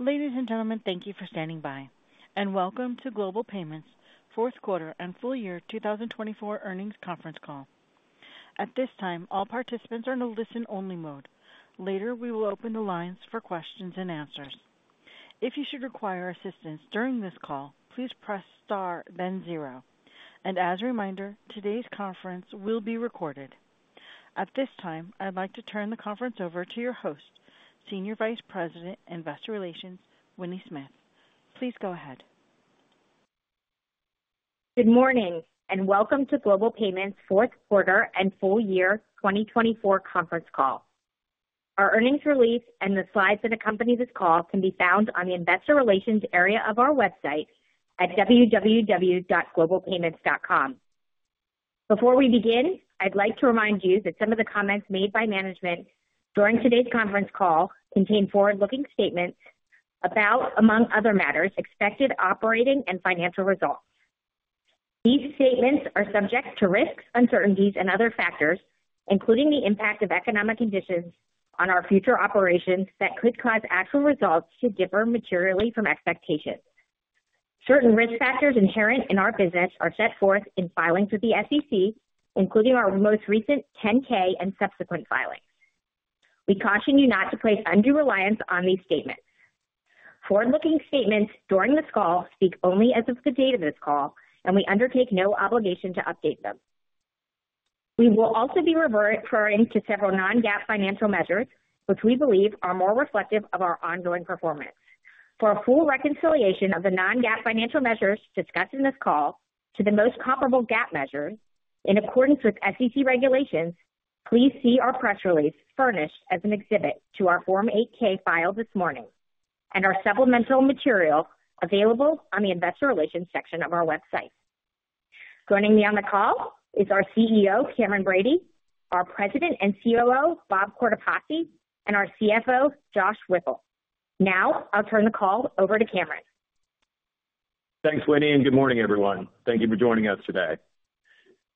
Ladies and gentlemen, thank you for standing by, and welcome to Global Payments' fourth quarter and full year 2024 earnings conference call. At this time, all participants are in a listen-only mode. Later, we will open the lines for questions and answers. If you should require assistance during this call, please press star, then zero. And as a reminder, today's conference will be recorded. At this time, I'd like to turn the conference over to your host, Senior Vice President, Investor Relations, Winnie Smith. Please go ahead. Good morning, and welcome to Global Payments' fourth quarter and full year 2024 conference call. Our earnings release and the slides that accompany this call can be found on the Investor Relations area of our website at www.globalpayments.com. Before we begin, I'd like to remind you that some of the comments made by management during today's conference call contain forward-looking statements about, among other matters, expected operating and financial results. These statements are subject to risks, uncertainties, and other factors, including the impact of economic conditions on our future operations that could cause actual results to differ materially from expectations. Certain risk factors inherent in our business are set forth in filings with the SEC, including our most recent 10-K and subsequent filings. We caution you not to place undue reliance on these statements. Forward-looking statements during this call speak only as of the date of this call, and we undertake no obligation to update them. We will also be referring to several non-GAAP financial measures, which we believe are more reflective of our ongoing performance. For a full reconciliation of the non-GAAP financial measures discussed in this call to the most comparable GAAP measures in accordance with SEC regulations, please see our press release furnished as an exhibit to our Form 8-K filed this morning and our supplemental material available on the Investor Relations section of our website. Joining me on the call is our CEO, Cameron Bready, our President and COO, Bob Cortopassi, and our CFO, Josh Whipple. Now, I'll turn the call over to Cameron. Thanks, Winnie, and good morning, everyone. Thank you for joining us today.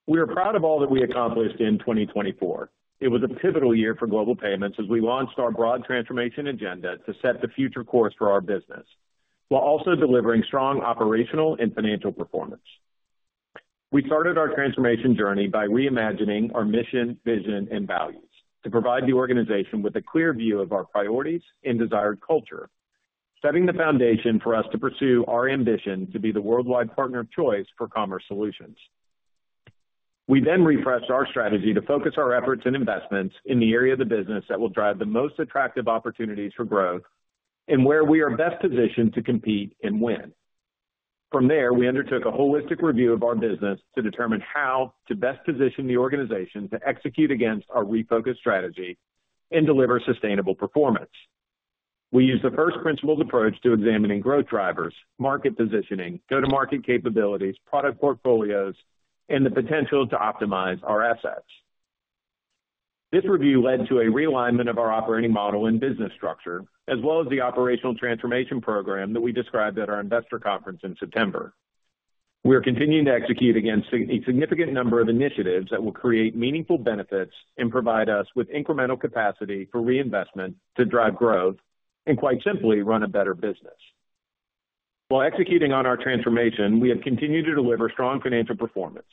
We are proud of all that we accomplished in 2024. It was a pivotal year for Global Payments as we launched our broad transformation agenda to set the future course for our business while also delivering strong operational and financial performance. We started our transformation journey by reimagining our mission, vision, and values to provide the organization with a clear view of our priorities and desired culture, setting the foundation for us to pursue our ambition to be the worldwide partner of choice for commerce solutions. We then refreshed our strategy to focus our efforts and investments in the area of the business that will drive the most attractive opportunities for growth and where we are best positioned to compete and win. From there, we undertook a holistic review of our business to determine how to best position the organization to execute against our refocused strategy and deliver sustainable performance. We used the first principles approach to examining growth drivers, market positioning, go-to-market capabilities, product portfolios, and the potential to optimize our assets. This review led to a realignment of our operating model and business structure, as well as the operational transformation program that we described at our investor conference in September. We are continuing to execute against a significant number of initiatives that will create meaningful benefits and provide us with incremental capacity for reinvestment to drive growth and, quite simply, run a better business. While executing on our transformation, we have continued to deliver strong financial performance.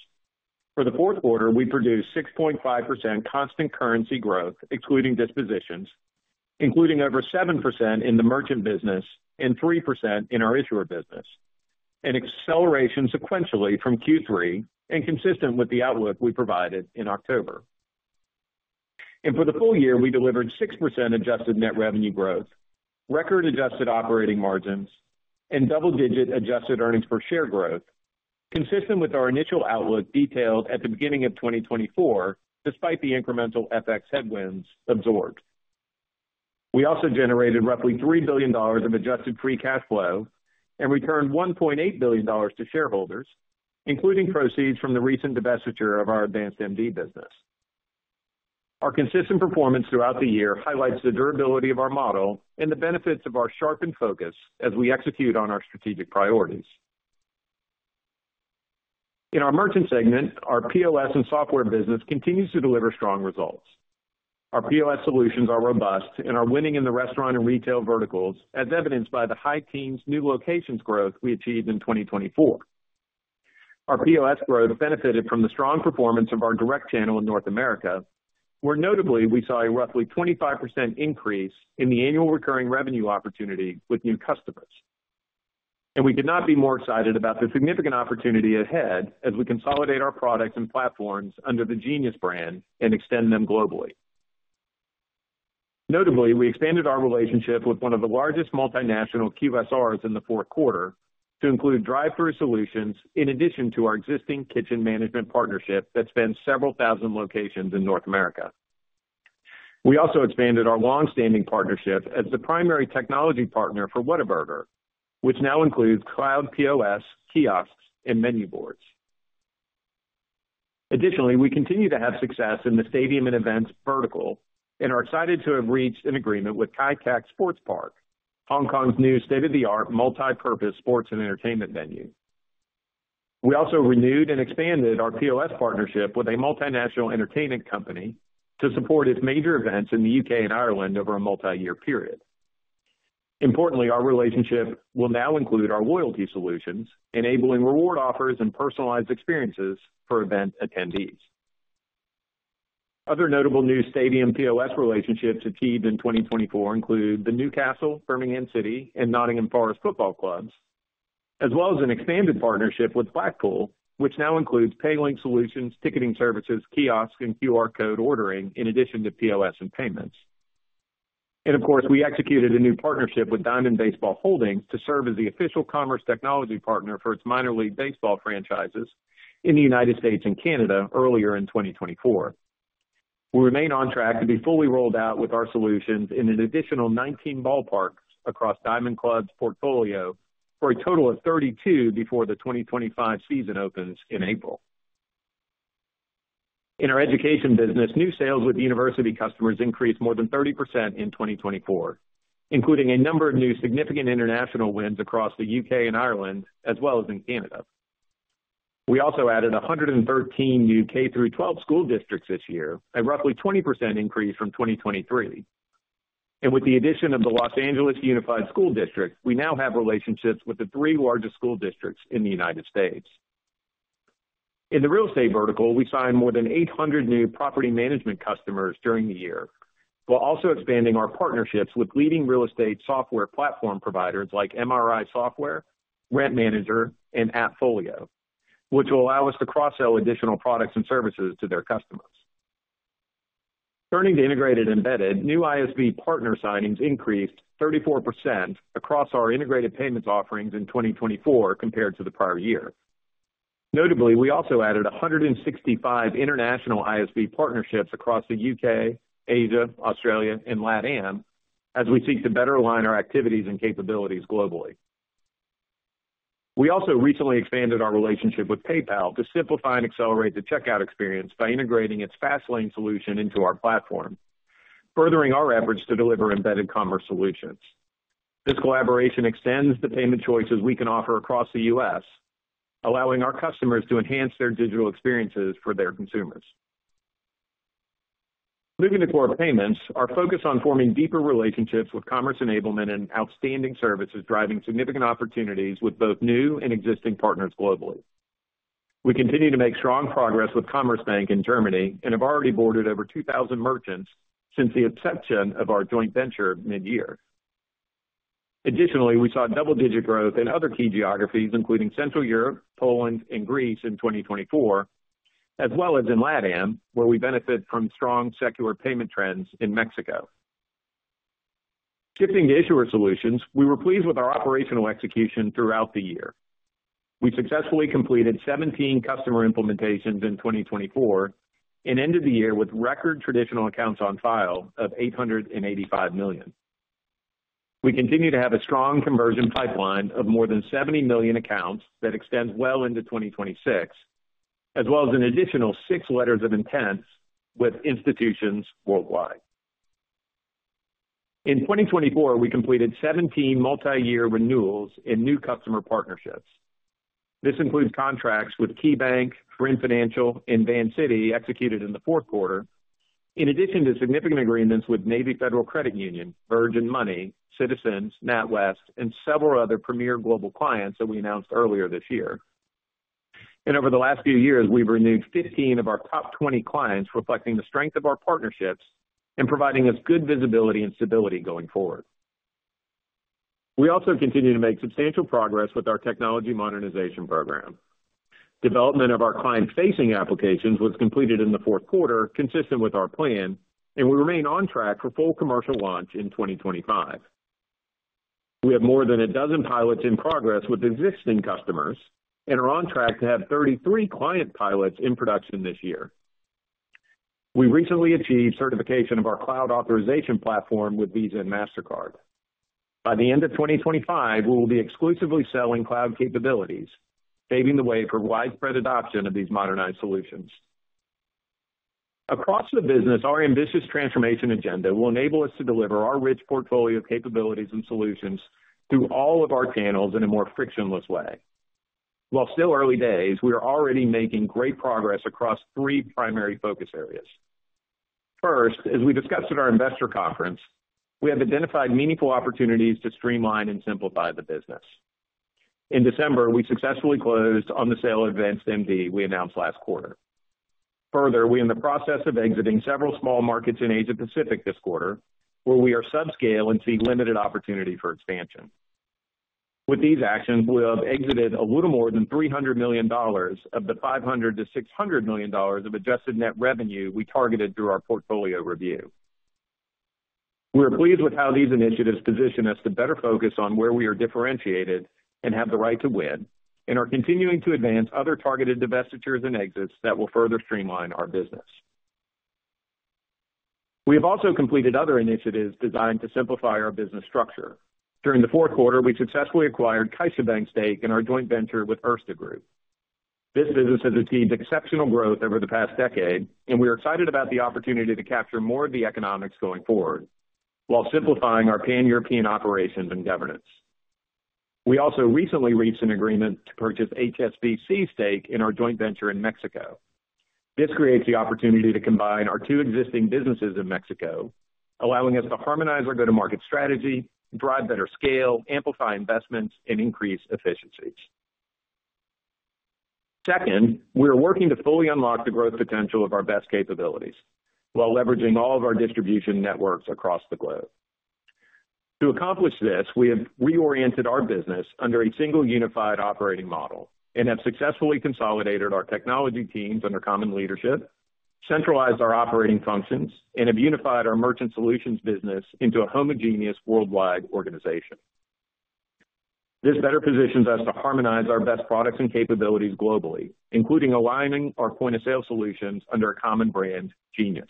For the fourth quarter, we produced 6.5% constant currency growth, excluding dispositions, including over 7% in the merchant business and 3% in our Issuer business, an acceleration sequentially from Q3 and consistent with the outlook we provided in October, and for the full year, we delivered 6% adjusted net revenue growth, record-adjusted operating margins, and double-digit adjusted earnings per share growth, consistent with our initial outlook detailed at the beginning of 2024, despite the incremental FX headwinds absorbed. We also generated roughly $3 billion of adjusted free cash flow and returned $1.8 billion to shareholders, including proceeds from the recent divestiture of our AdvancedMD business. Our consistent performance throughout the year highlights the durability of our model and the benefits of our sharpened focus as we execute on our strategic priorities. In our merchant segment, our POS and software business continues to deliver strong results. Our POS solutions are robust and are winning in the restaurant and retail verticals, as evidenced by the high-teens' new locations growth we achieved in 2024. Our POS growth benefited from the strong performance of our direct channel in North America, where notably we saw a roughly 25% increase in the annual recurring revenue opportunity with new customers, and we could not be more excited about the significant opportunity ahead as we consolidate our products and platforms under the Genius brand and extend them globally. Notably, we expanded our relationship with one of the largest multinational QSRs in the fourth quarter to include drive-through solutions in addition to our existing kitchen management partnership that spans several thousand locations in North America. We also expanded our long-standing partnership as the primary technology partner for Whataburger, which now includes cloud POS, kiosks, and menu boards. Additionally, we continue to have success in the stadium and events vertical and are excited to have reached an agreement with Kai Tak Sports Park, Hong Kong's new state-of-the-art multi-purpose sports and entertainment venue. We also renewed and expanded our POS partnership with a multinational entertainment company to support its major events in the U.K. and Ireland over a multi-year period. Importantly, our relationship will now include our loyalty solutions, enabling reward offers and personalized experiences for event attendees. Other notable new stadium POS relationships achieved in 2024 include the Newcastle, Birmingham City, and Nottingham Forest Football Clubs, as well as an expanded partnership with Blackpool, which now includes Paylink Solutions, ticketing services, kiosks, and QR code ordering in addition to POS and payments. Of course, we executed a new partnership with Diamond Baseball Holdings to serve as the official commerce technology partner for its minor league baseball franchises in the United States and Canada earlier in 2024. We remain on track to be fully rolled out with our solutions in an additional 19 ballparks across Diamond's portfolio for a total of 32 before the 2025 season opens in April. In our education business, new sales with university customers increased more than 30% in 2024, including a number of new significant international wins across the U.K. and Ireland, as well as in Canada. We also added 113 new K-12 school districts this year, a roughly 20% increase from 2023. And with the addition of the Los Angeles Unified School District, we now have relationships with the three largest school districts in the United States. In the real estate vertical, we signed more than 800 new property management customers during the year, while also expanding our partnerships with leading real estate software platform providers like MRI Software, Rent Manager, and AppFolio, which will allow us to cross-sell additional products and services to their customers. Turning to integrated embedded, new ISV partner signings increased 34% across our integrated payments offerings in 2024 compared to the prior year. Notably, we also added 165 international ISV partnerships across the U.K., Asia, Australia, and Latvia as we seek to better align our activities and capabilities globally. We also recently expanded our relationship with PayPal to simplify and accelerate the checkout experience by integrating its Fastlane solution into our platform, furthering our efforts to deliver embedded commerce solutions. This collaboration extends the payment choices we can offer across the U.S., allowing our customers to enhance their digital experiences for their consumers. Moving to core payments, our focus on forming deeper relationships with commerce enablement and Issuer solutions driving significant opportunities with both new and existing partners globally. We continue to make strong progress with Commerzbank in Germany and have already onboarded over 2,000 merchants since the inception of our joint venture mid-year. Additionally, we saw double-digit growth in other key geographies, including Central Europe, Poland, and Greece in 2024, as well as in Latvia, where we benefit from strong secular payment trends in Mexico. Shifting to Issuer solutions, we were pleased with our operational execution throughout the year. We successfully completed 17 customer implementations in 2024 and ended the year with record traditional accounts on file of 885 million. We continue to have a strong conversion pipeline of more than 70 million accounts that extends well into 2026, as well as an additional six letters of intent with institutions worldwide. In 2024, we completed 17 multi-year renewals and new customer partnerships. This includes contracts with KeyBank, Brim Financial, and Vancity, executed in the fourth quarter, in addition to significant agreements with Navy Federal Credit Union, Virgin Money, Citizens, NatWest, and several other premier global clients that we announced earlier this year, and over the last few years, we've renewed 15 of our top 20 clients, reflecting the strength of our partnerships and providing us good visibility and stability going forward. We also continue to make substantial progress with our technology modernization program. Development of our client-facing applications was completed in the fourth quarter, consistent with our plan, and we remain on track for full commercial launch in 2025. We have more than a dozen pilots in progress with existing customers and are on track to have 33 client pilots in production this year. We recently achieved certification of our cloud authorization platform with Visa and Mastercard. By the end of 2025, we will be exclusively selling cloud capabilities, paving the way for widespread adoption of these modernized solutions. Across the business, our ambitious transformation agenda will enable us to deliver our rich portfolio capabilities and solutions through all of our channels in a more frictionless way. While still early days, we are already making great progress across three primary focus areas. First, as we discussed at our investor conference, we have identified meaningful opportunities to streamline and simplify the business. In December, we successfully closed on the sale of AdvancedMD we announced last quarter. Further, we are in the process of exiting several small markets in Asia-Pacific this quarter, where we are subscale and see limited opportunity for expansion. With these actions, we will have exited a little more than $300 million of the $500 million-$600 million of adjusted net revenue we targeted through our portfolio review. We are pleased with how these initiatives position us to better focus on where we are differentiated and have the right to win, and are continuing to advance other targeted divestitures and exits that will further streamline our business. We have also completed other initiatives designed to simplify our business structure. During the fourth quarter, we successfully acquired CaixaBank stake in our joint venture with Erste Group. This business has achieved exceptional growth over the past decade, and we are excited about the opportunity to capture more of the economics going forward while simplifying our pan-European operations and governance. We also recently reached an agreement to purchase HSBC's stake in our joint venture in Mexico. This creates the opportunity to combine our two existing businesses in Mexico, allowing us to harmonize our go-to-market strategy, drive better scale, amplify investments, and increase efficiencies. Second, we are working to fully unlock the growth potential of our best capabilities while leveraging all of our distribution networks across the globe. To accomplish this, we have reoriented our business under a single unified operating model and have successfully consolidated our technology teams under common leadership, centralized our operating functions, and have unified our merchant solutions business into a homogeneous worldwide organization. This better positions us to harmonize our best products and capabilities globally, including aligning our point of sale solutions under a common brand, Genius.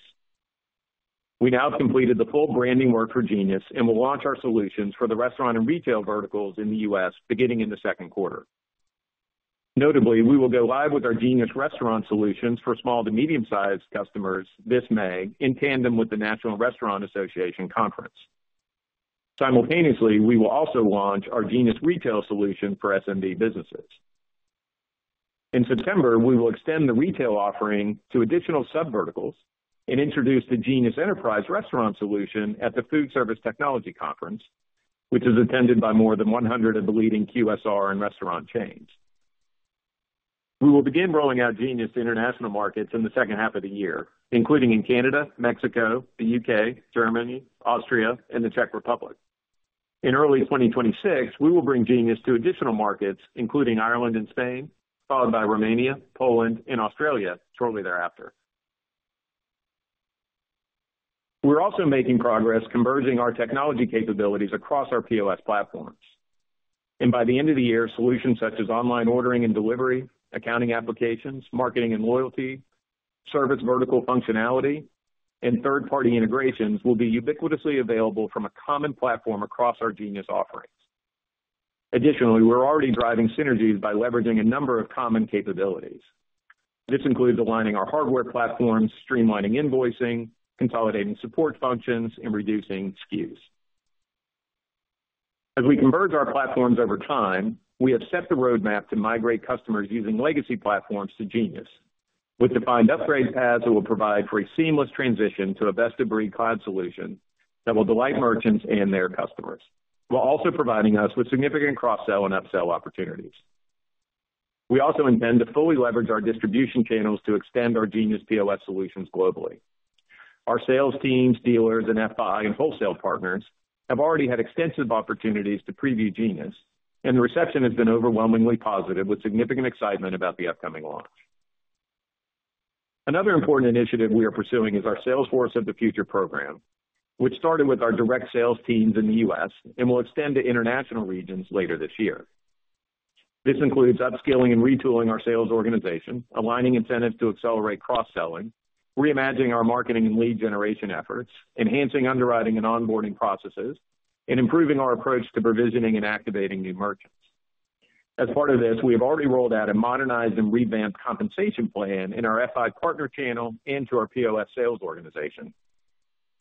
We now have completed the full branding work for Genius and will launch our solutions for the restaurant and retail verticals in the U.S. beginning in the second quarter. Notably, we will go live with our Genius restaurant solutions for small to medium-sized customers this May in tandem with the National Restaurant Association Conference. Simultaneously, we will also launch our Genius retail solution for SMB businesses. In September, we will extend the retail offering to additional sub-verticals and introduce the Genius Enterprise restaurant solution at the Food Service Technology Conference, which is attended by more than 100 of the leading QSR and restaurant chains. We will begin rolling out Genius to international markets in the second half of the year, including in Canada, Mexico, the U.K., Germany, Austria, and the Czech Republic. In early 2026, we will bring Genius to additional markets, including Ireland and Spain, followed by Romania, Poland, and Australia shortly thereafter. We're also making progress converging our technology capabilities across our POS platforms, and by the end of the year, solutions such as online ordering and delivery, accounting applications, marketing and loyalty, service vertical functionality, and third-party integrations will be ubiquitously available from a common platform across our Genius offerings. Additionally, we're already driving synergies by leveraging a number of common capabilities. This includes aligning our hardware platforms, streamlining invoicing, consolidating support functions, and reducing SKUs. As we converge our platforms over time, we have set the roadmap to migrate customers using legacy platforms to Genius, with defined upgrade paths that will provide for a seamless transition to a best-of-breed cloud solution that will delight merchants and their customers, while also providing us with significant cross-sell and upsell opportunities. We also intend to fully leverage our distribution channels to extend our Genius POS solutions globally. Our sales teams, dealers, and FI and wholesale partners have already had extensive opportunities to preview Genius, and the reception has been overwhelmingly positive, with significant excitement about the upcoming launch. Another important initiative we are pursuing is our Salesforce of the Future program, which started with our direct sales teams in the U.S. and will extend to international regions later this year. This includes upscaling and retooling our sales organization, aligning incentives to accelerate cross-selling, reimagining our marketing and lead generation efforts, enhancing underwriting and onboarding processes, and improving our approach to provisioning and activating new merchants. As part of this, we have already rolled out a modernized and revamped compensation plan in our FI partner channel and to our POS sales organization.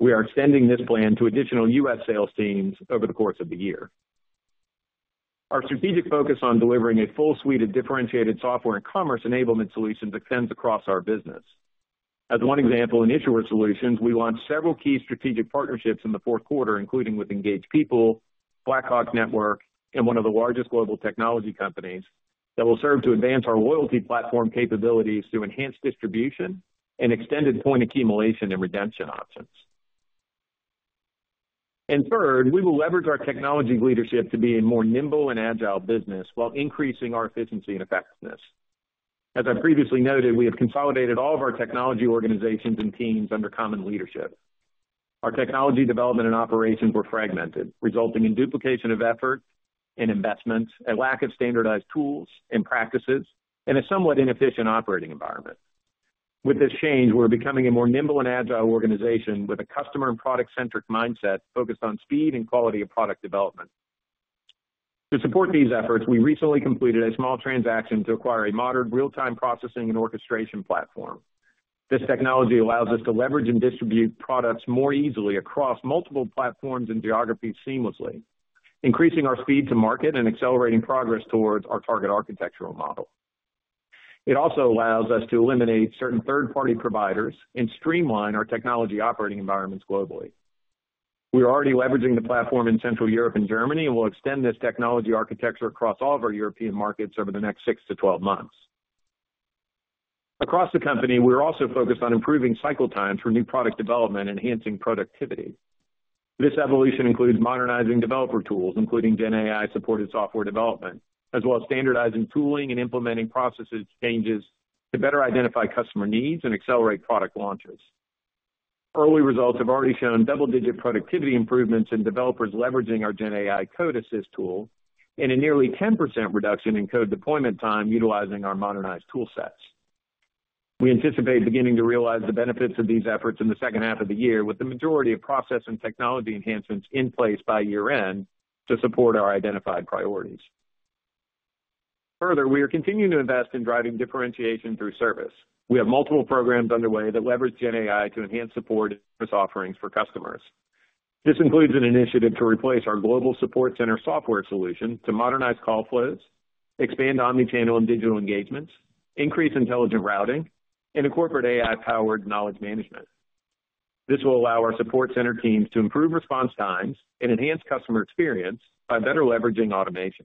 We are extending this plan to additional U.S. sales teams over the course of the year. Our strategic focus on delivering a full suite of differentiated software and commerce enablement solutions extends across our business. As one example, in Issuer solutions, we launched several key strategic partnerships in the fourth quarter, including with Engaged People, Blackhawk Network, and one of the largest global technology companies that will serve to advance our loyalty platform capabilities to enhance distribution and extended point accumulation and redemption options. And third, we will leverage our technology leadership to be a more nimble and agile business while increasing our efficiency and effectiveness. As I previously noted, we have consolidated all of our technology organizations and teams under common leadership. Our technology development and operations were fragmented, resulting in duplication of effort and investments, a lack of standardized tools and practices, and a somewhat inefficient operating environment. With this change, we're becoming a more nimble and agile organization with a customer and product-centric mindset focused on speed and quality of product development. To support these efforts, we recently completed a small transaction to acquire a modern real-time processing and orchestration platform. This technology allows us to leverage and distribute products more easily across multiple platforms and geographies seamlessly, increasing our speed to market and accelerating progress towards our target architectural model. It also allows us to eliminate certain third-party providers and streamline our technology operating environments globally. We are already leveraging the platform in Central Europe and Germany and will extend this technology architecture across all of our European markets over the next six to 12 months. Across the company, we are also focused on improving cycle times for new product development and enhancing productivity. This evolution includes modernizing developer tools, including GenAI-supported software development, as well as standardizing tooling and implementing process changes to better identify customer needs and accelerate product launches. Early results have already shown double-digit productivity improvements in developers leveraging our GenAI Code Assist tool and a nearly 10% reduction in code deployment time utilizing our modernized toolsets. We anticipate beginning to realize the benefits of these efforts in the second half of the year, with the majority of process and technology enhancements in place by year-end to support our identified priorities. Further, we are continuing to invest in driving differentiation through service. We have multiple programs underway that leverage GenAI to enhance support and service offerings for customers. This includes an initiative to replace our global support center software solution to modernize call flows, expand omnichannel and digital engagements, increase intelligent routing, and incorporate AI-powered knowledge management. This will allow our support center teams to improve response times and enhance customer experience by better leveraging automation.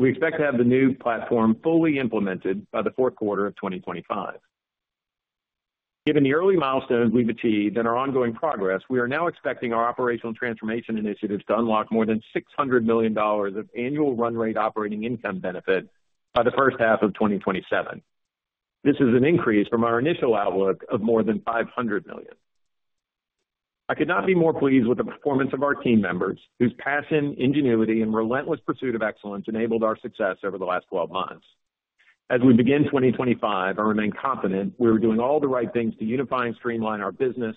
We expect to have the new platform fully implemented by the fourth quarter of 2025. Given the early milestones we've achieved and our ongoing progress, we are now expecting our operational transformation initiatives to unlock more than $600 million of annual run rate operating income benefit by the first half of 2027. This is an increase from our initial outlook of more than $500 million. I could not be more pleased with the performance of our team members, whose passion, ingenuity, and relentless pursuit of excellence enabled our success over the last 12 months. As we begin 2025 and remain confident we are doing all the right things to unify and streamline our business,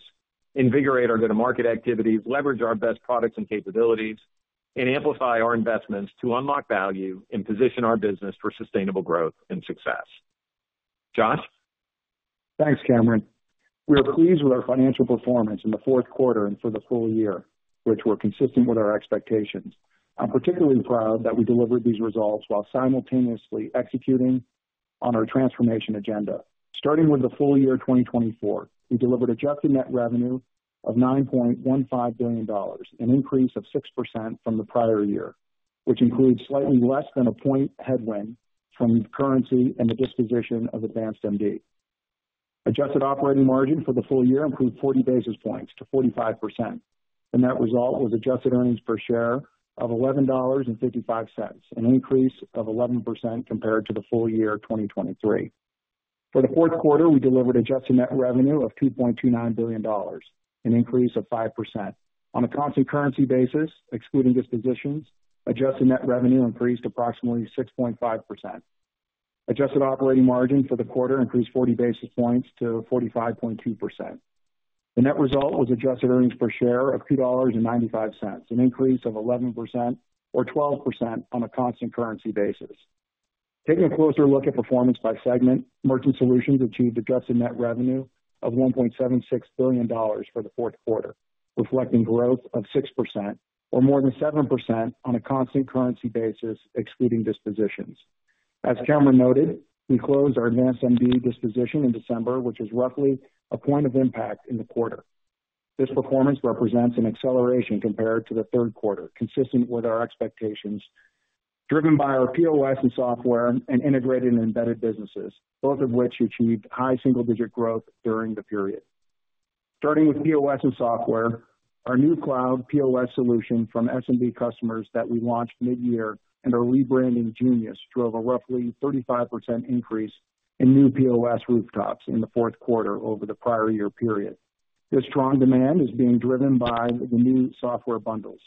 invigorate our go-to-market activities, leverage our best products and capabilities, and amplify our investments to unlock value and position our business for sustainable growth and success. Josh? Thanks, Cameron. We are pleased with our financial performance in the fourth quarter and for the full year, which were consistent with our expectations. I'm particularly proud that we delivered these results while simultaneously executing on our transformation agenda. Starting with the full year 2024, we delivered adjusted net revenue of $9.15 billion, an increase of 6% from the prior year, which includes slightly less than a point headwind from currency and the disposition of AdvancedMD. Adjusted operating margin for the full year improved 40 basis points to 45%. The net result was adjusted earnings per share of $11.55, an increase of 11% compared to the full year 2023. For the fourth quarter, we delivered adjusted net revenue of $2.29 billion, an increase of 5%. On a constant currency basis, excluding dispositions, adjusted net revenue increased approximately 6.5%. Adjusted operating margin for the quarter increased 40 basis points to 45.2%. The net result was adjusted earnings per share of $2.95, an increase of 11% or 12% on a constant currency basis. Taking a closer look at performance by segment, merchant solutions achieved adjusted net revenue of $1.76 billion for the fourth quarter, reflecting growth of 6% or more than 7% on a constant currency basis, excluding dispositions. As Cameron noted, we closed our AdvancedMD disposition in December, which was roughly a point of impact in the quarter. This performance represents an acceleration compared to the third quarter, consistent with our expectations, driven by our POS and software and integrated and embedded businesses, both of which achieved high single-digit growth during the period. Starting with POS and software, our new cloud POS solution from SMB customers that we launched mid-year and are rebranding Genius drove a roughly 35% increase in new POS rooftops in the fourth quarter over the prior year period. This strong demand is being driven by the new software bundles,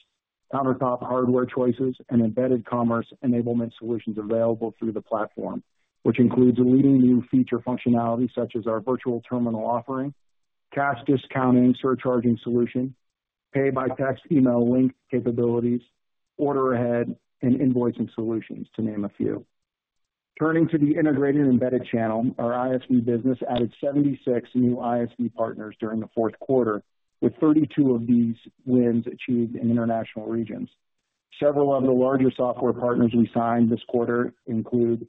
countertop hardware choices, and embedded commerce enablement solutions available through the platform, which includes a leading new feature functionality such as our virtual terminal offering, cash discounting, surcharging solution, pay-by-text, email link capabilities, order ahead, and invoicing solutions, to name a few. Turning to the integrated and embedded channel, our ISV business added 76 new ISV partners during the fourth quarter, with 32 of these wins achieved in international regions. Several of the larger software partners we signed this quarter include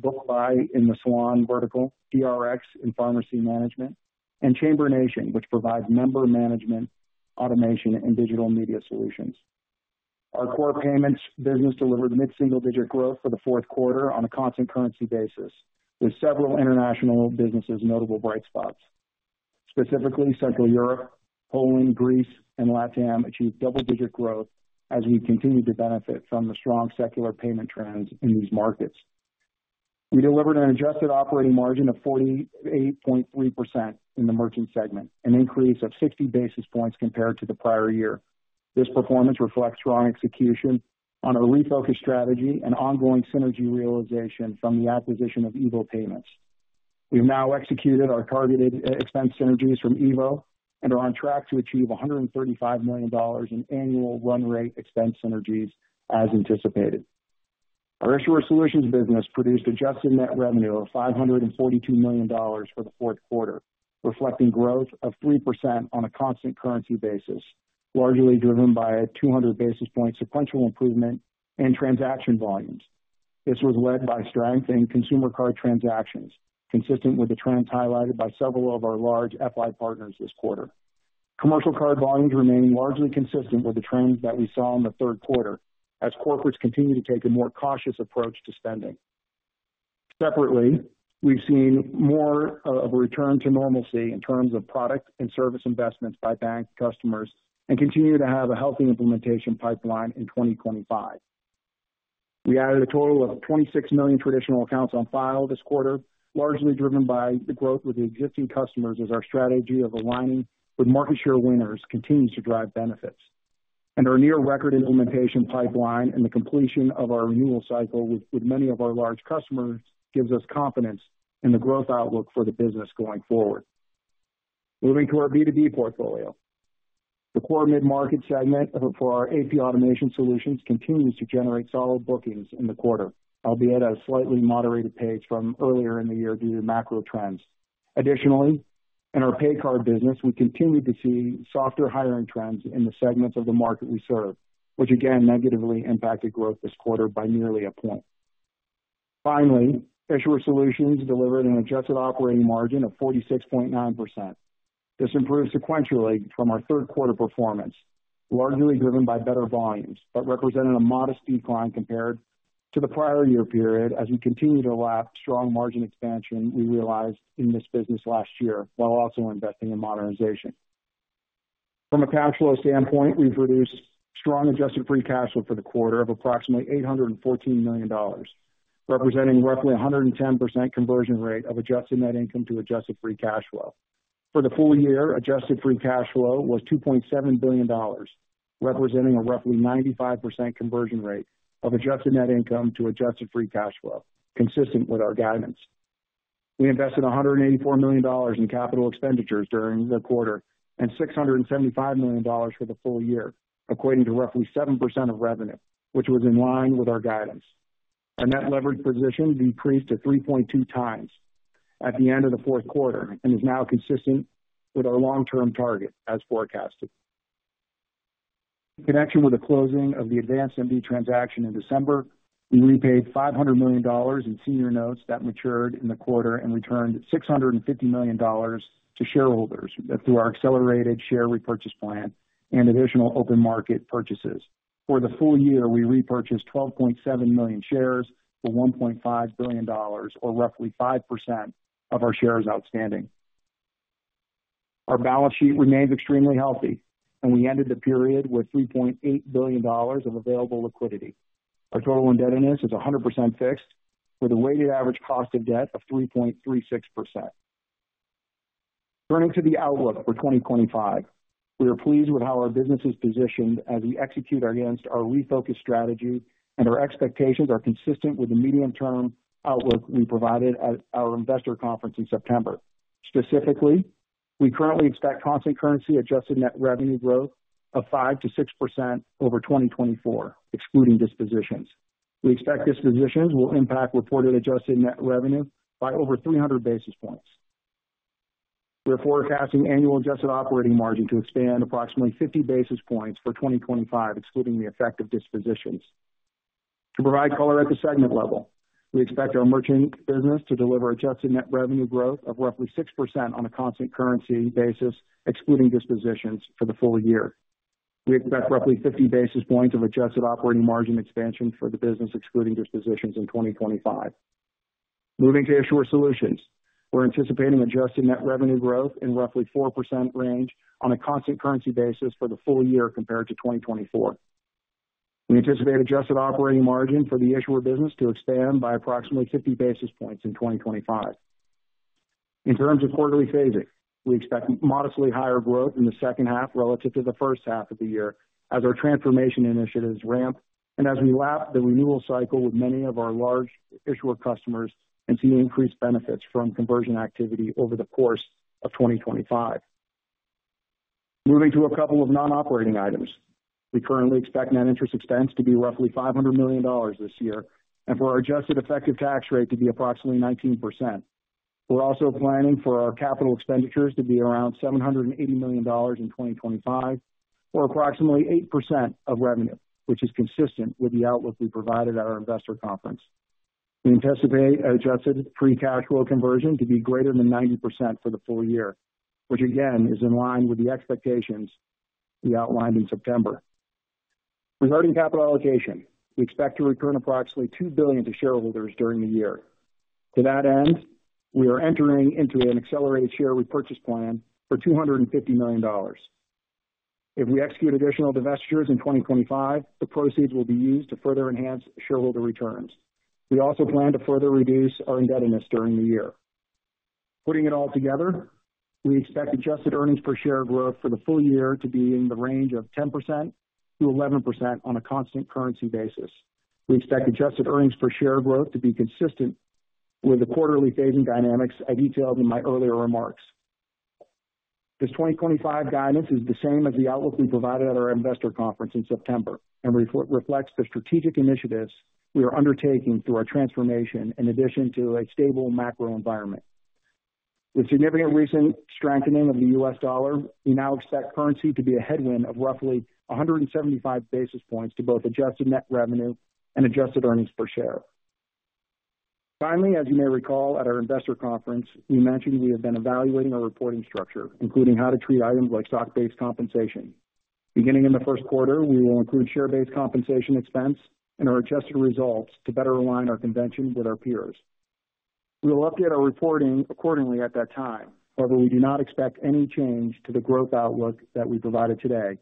Booksy in the Salon vertical, PDX in pharmacy management, and ChamberNation, which provides member management, automation, and digital media solutions. Our core payments business delivered mid-single-digit growth for the fourth quarter on a constant currency basis, with several international businesses notable bright spots. Specifically, Central Europe, Poland, Greece, and LATAM achieved double-digit growth as we continue to benefit from the strong secular payment trends in these markets. We delivered an adjusted operating margin of 48.3% in the merchant segment, an increase of 60 basis points compared to the prior year. This performance reflects strong execution on a refocused strategy and ongoing synergy realization from the acquisition of EVO Payments. We've now executed our targeted expense synergies from EVO and are on track to achieve $135 million in annual run rate expense synergies as anticipated. Our Issuer solutions business produced adjusted net revenue of $542 million for the fourth quarter, reflecting growth of 3% on a constant currency basis, largely driven by a 200 basis point sequential improvement in transaction volumes. This was led by strength in consumer card transactions, consistent with the trends highlighted by several of our large FI partners this quarter. Commercial card volumes remain largely consistent with the trends that we saw in the third quarter as corporates continue to take a more cautious approach to spending. Separately, we've seen more of a return to normalcy in terms of product and service investments by bank customers and continue to have a healthy implementation pipeline in 2025. We added a total of 26 million traditional accounts on file this quarter, largely driven by the growth with the existing customers as our strategy of aligning with market share winners continues to drive benefits, and our near-record implementation pipeline and the completion of our renewal cycle with many of our large customers gives us confidence in the growth outlook for the business going forward. Moving to our B2B portfolio, the core mid-market segment for our AP automation solutions continues to generate solid bookings in the quarter, albeit at a slightly moderated pace from earlier in the year due to macro trends. Additionally, in our PayCard business, we continue to see softer hiring trends in the segments of the market we serve, which again negatively impacted growth this quarter by nearly a point. Finally, Issuer solutions delivered an adjusted operating margin of 46.9%. This improved sequentially from our third quarter performance, largely driven by better volumes, but represented a modest decline compared to the prior year period as we continued to lap strong margin expansion we realized in this business last year while also investing in modernization. From a cash flow standpoint, we've produced strong adjusted free cash flow for the quarter of approximately $814 million, representing roughly 110% conversion rate of adjusted net income to adjusted free cash flow. For the full year, adjusted free cash flow was $2.7 billion, representing a roughly 95% conversion rate of adjusted net income to adjusted free cash flow, consistent with our guidance. We invested $184 million in capital expenditures during the quarter and $675 million for the full year, equating to roughly 7% of revenue, which was in line with our guidance. Our net leverage position decreased to 3.2 times at the end of the fourth quarter and is now consistent with our long-term target as forecasted. In connection with the closing of the AdvancedMD transaction in December, we repaid $500 million in senior notes that matured in the quarter and returned $650 million to shareholders through our accelerated share repurchase plan and additional open market purchases. For the full year, we repurchased 12.7 million shares for $1.5 billion, or roughly 5% of our shares outstanding. Our balance sheet remains extremely healthy, and we ended the period with $3.8 billion of available liquidity. Our total indebtedness is 100% fixed with a weighted average cost of debt of 3.36%. Turning to the outlook for 2025, we are pleased with how our business is positioned as we execute against our refocused strategy, and our expectations are consistent with the medium-term outlook we provided at our investor conference in September. Specifically, we currently expect constant currency adjusted net revenue growth of 5%-6% over 2024, excluding dispositions. We expect dispositions will impact reported adjusted net revenue by over 300 basis points. We're forecasting annual adjusted operating margin to expand approximately 50 basis points for 2025, excluding the effect of dispositions. To provide color at the segment level, we expect our merchant business to deliver adjusted net revenue growth of roughly 6% on a constant currency basis, excluding dispositions for the full year. We expect roughly 50 basis points of adjusted operating margin expansion for the business, excluding dispositions in 2025. Moving to Issuer solutions, we're anticipating adjusted net revenue growth in roughly 4% range on a constant currency basis for the full year compared to 2024. We anticipate adjusted operating margin for the Issuer Issuer business to expand by approximately 50 basis points in 2025. In terms of quarterly phasing, we expect modestly higher growth in the second half relative to the first half of the year as our transformation initiatives ramp and as we lap the renewal cycle with many of our large Issuer customers and see increased benefits from conversion activity over the course of 2025. Moving to a couple of non-operating items, we currently expect net interest expense to be roughly $500 million this year and for our adjusted effective tax rate to be approximately 19%. We're also planning for our capital expenditures to be around $780 million in 2025, or approximately 8% of revenue, which is consistent with the outlook we provided at our investor conference. We anticipate adjusted free cash flow conversion to be greater than 90% for the full year, which again is in line with the expectations we outlined in September. Regarding capital allocation, we expect to return approximately $2 billion to shareholders during the year. To that end, we are entering into an accelerated share repurchase plan for $250 million. If we execute additional divestitures in 2025, the proceeds will be used to further enhance shareholder returns. We also plan to further reduce our indebtedness during the year. Putting it all together, we expect adjusted earnings per share growth for the full year to be in the range of 10%-11% on a constant currency basis. We expect adjusted earnings per share growth to be consistent with the quarterly phasing dynamics I detailed in my earlier remarks. This 2025 guidance is the same as the outlook we provided at our investor conference in September and reflects the strategic initiatives we are undertaking through our transformation in addition to a stable macro environment. With significant recent strengthening of the U.S. dollar, we now expect currency to be a headwind of roughly 175 basis points to both adjusted net revenue and adjusted earnings per share. Finally, as you may recall at our investor conference, we mentioned we have been evaluating our reporting structure, including how to treat items like stock-based compensation. Beginning in the first quarter, we will include share-based compensation expense and our adjusted results to better align our convention with our peers. We will update our reporting accordingly at that time. However, we do not expect any change to the growth outlook that we provided today.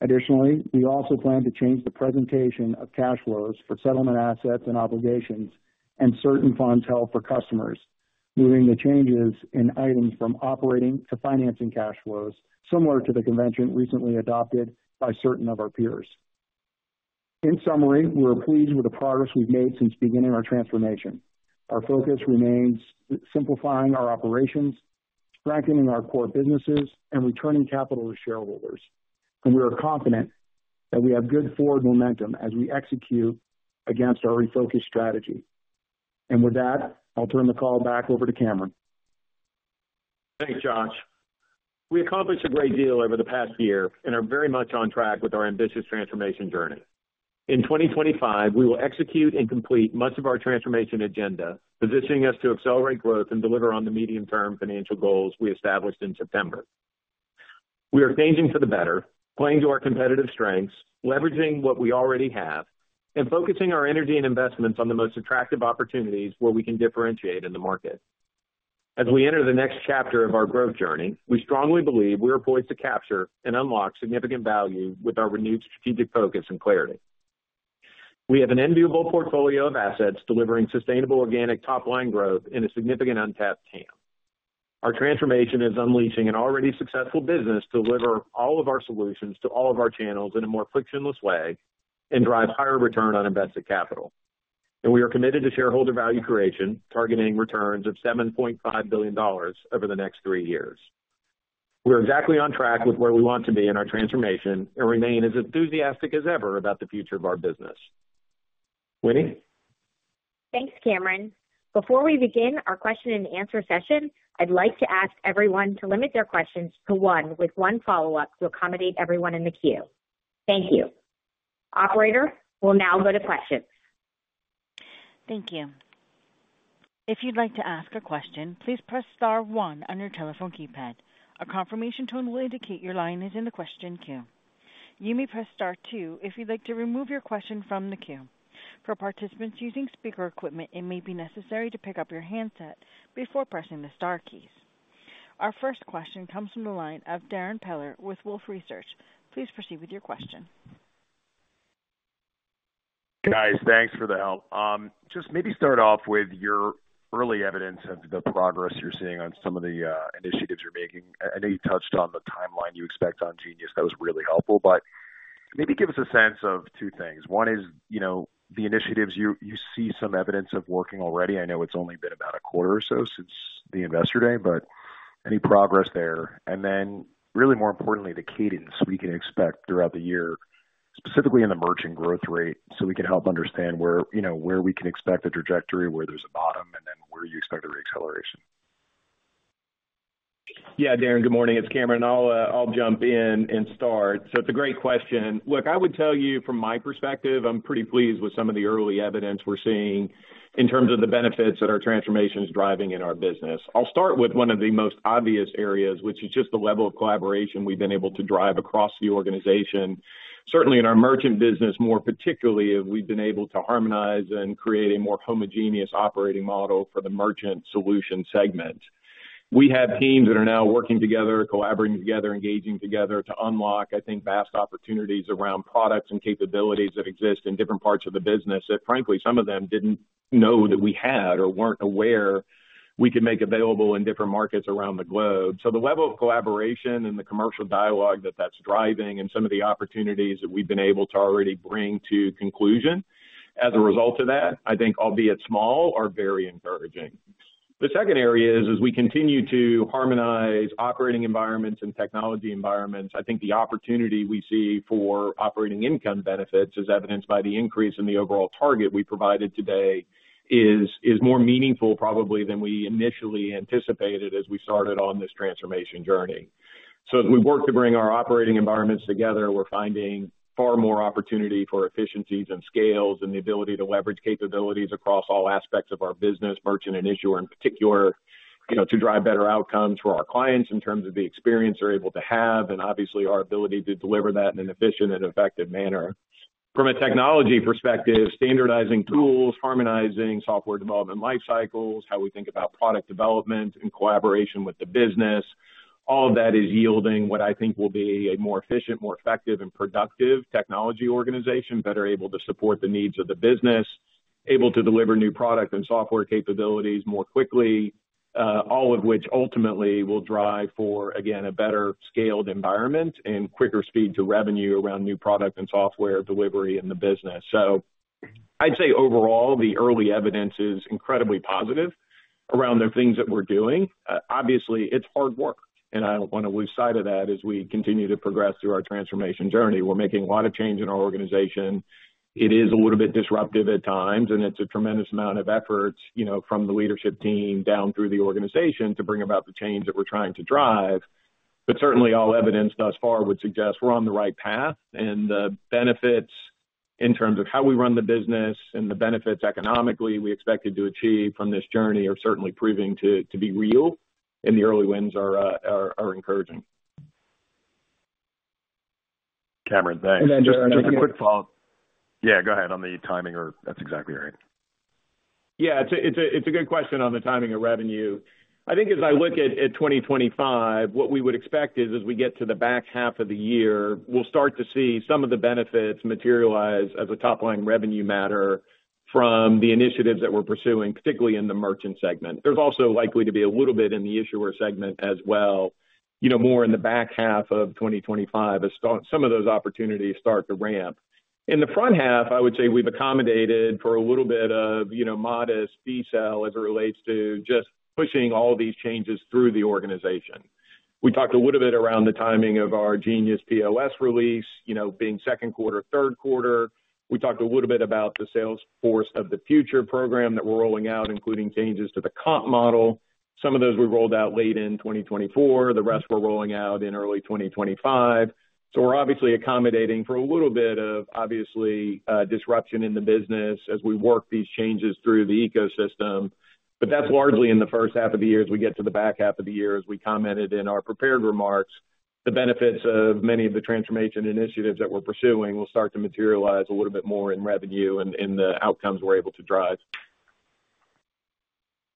Additionally, we also plan to change the presentation of cash flows for settlement assets and obligations and certain funds held for customers, moving the changes in items from operating to financing cash flows, similar to the convention recently adopted by certain of our peers. In summary, we're pleased with the progress we've made since beginning our transformation. Our focus remains simplifying our operations, strengthening our core businesses, and returning capital to shareholders. And we are confident that we have good forward momentum as we execute against our refocused strategy. And with that, I'll turn the call back over to Cameron. Thanks, Josh. We accomplished a great deal over the past year and are very much on track with our ambitious transformation journey. In 2025, we will execute and complete much of our transformation agenda, positioning us to accelerate growth and deliver on the medium-term financial goals we established in September. We are changing for the better, playing to our competitive strengths, leveraging what we already have, and focusing our energy and investments on the most attractive opportunities where we can differentiate in the market. As we enter the next chapter of our growth journey, we strongly believe we are poised to capture and unlock significant value with our renewed strategic focus and clarity. We have an enviable portfolio of assets delivering sustainable organic top-line growth in a significant untapped TAM. Our transformation is unleashing an already successful business to deliver all of our solutions to all of our channels in a more frictionless way and drive higher return on invested capital. And we are committed to shareholder value creation, targeting returns of $7.5 billion over the next three years. We are exactly on track with where we want to be in our transformation and remain as enthusiastic as ever about the future of our business. Winnie? Thanks, Cameron. Before we begin our question-and-answer session, I'd like to ask everyone to limit their questions to one, with one follow-up, to accommodate everyone in the queue. Thank you. Operator, we'll now go to questions. Thank you. If you'd like to ask a question, please press Star 1 on your telephone keypad. A confirmation tone will indicate your line is in the question queue. You may press Star 2 if you'd like to remove your question from the queue. For participants using speaker equipment, it may be necessary to pick up your handset before pressing the Star keys. Our first question comes from the line of Darrin Peller with Wolfe Research. Please proceed with your question. Guys, thanks for the help. Just maybe start off with your early evidence of the progress you're seeing on some of the initiatives you're making. I know you touched on the timeline you expect on Genius. That was really helpful. But maybe give us a sense of two things. One is the initiatives you see some evidence of working already. I know it's only been about a quarter or so since the investor day, but any progress there? And then, really more importantly, the cadence we can expect throughout the year, specifically in the merchant growth rate, so we can help understand where we can expect a trajectory where there's a bottom and then where you expect a reacceleration. Yeah, Darren, good morning. It's Cameron. I'll jump in and start. So it's a great question. Look, I would tell you from my perspective, I'm pretty pleased with some of the early evidence we're seeing in terms of the benefits that our transformation is driving in our business. I'll start with one of the most obvious areas, which is just the level of collaboration we've been able to drive across the organization. Certainly in our merchant business, more particularly, we've been able to harmonize and create a more homogeneous operating model for the merchant solution segment. We have teams that are now working together, collaborating together, engaging together to unlock, I think, vast opportunities around products and capabilities that exist in different parts of the business that, frankly, some of them didn't know that we had or weren't aware we could make available in different markets around the globe. So the level of collaboration and the commercial dialogue that that's driving and some of the opportunities that we've been able to already bring to conclusion as a result of that, I think, albeit small, are very encouraging. The second area is, as we continue to harmonize operating environments and technology environments, I think the opportunity we see for operating income benefits, as evidenced by the increase in the overall target we provided today, is more meaningful probably than we initially anticipated as we started on this transformation journey, so as we work to bring our operating environments together, we're finding far more opportunity for efficiencies and scales and the ability to leverage capabilities across all aspects of our business, merchant and Issuer in particular, to drive better outcomes for our clients in terms of the experience they're able to have and obviously our ability to deliver that in an efficient and effective manner. From a technology perspective, standardizing tools, harmonizing software development life cycles, how we think about product development and collaboration with the business, all of that is yielding what I think will be a more efficient, more effective, and productive technology organization, better able to support the needs of the business, able to deliver new product and software capabilities more quickly, all of which ultimately will drive for, again, a better scaled environment and quicker speed to revenue around new product and software delivery in the business. So I'd say overall, the early evidence is incredibly positive around the things that we're doing. Obviously, it's hard work, and I don't want to lose sight of that as we continue to progress through our transformation journey. We're making a lot of change in our organization. It is a little bit disruptive at times, and it's a tremendous amount of effort from the leadership team down through the organization to bring about the change that we're trying to drive. But certainly, all evidence thus far would suggest we're on the right path, and the benefits in terms of how we run the business and the benefits economically we expected to achieve from this journey are certainly proving to be real, and the early wins are encouraging. Cameron, thanks. And then just a quick follow-up. Yeah, go ahead on the timing, or that's exactly right. Yeah, it's a good question on the timing of revenue. I think as I look at 2025, what we would expect is as we get to the back half of the year, we'll start to see some of the benefits materialize as a top-line revenue matter from the initiatives that we're pursuing, particularly in the merchant segment. There's also likely to be a little bit in the Issuer segment as well, more in the back half of 2025 as some of those opportunities start to ramp. In the front half, I would say we've accommodated for a little bit of modest decel as it relates to just pushing all these changes through the organization. We talked a little bit around the timing of our Genius POS release, being second quarter, third quarter. We talked a little bit about the Salesforce of the Future program that we're rolling out, including changes to the comp model. Some of those we rolled out late in 2024. The rest we're rolling out in early 2025. So we're obviously accommodating for a little bit of, obviously, disruption in the business as we work these changes through the ecosystem. But that's largely in the first half of the year as we get to the back half of the year, as we commented in our prepared remarks. The benefits of many of the transformation initiatives that we're pursuing will start to materialize a little bit more in revenue and in the outcomes we're able to drive.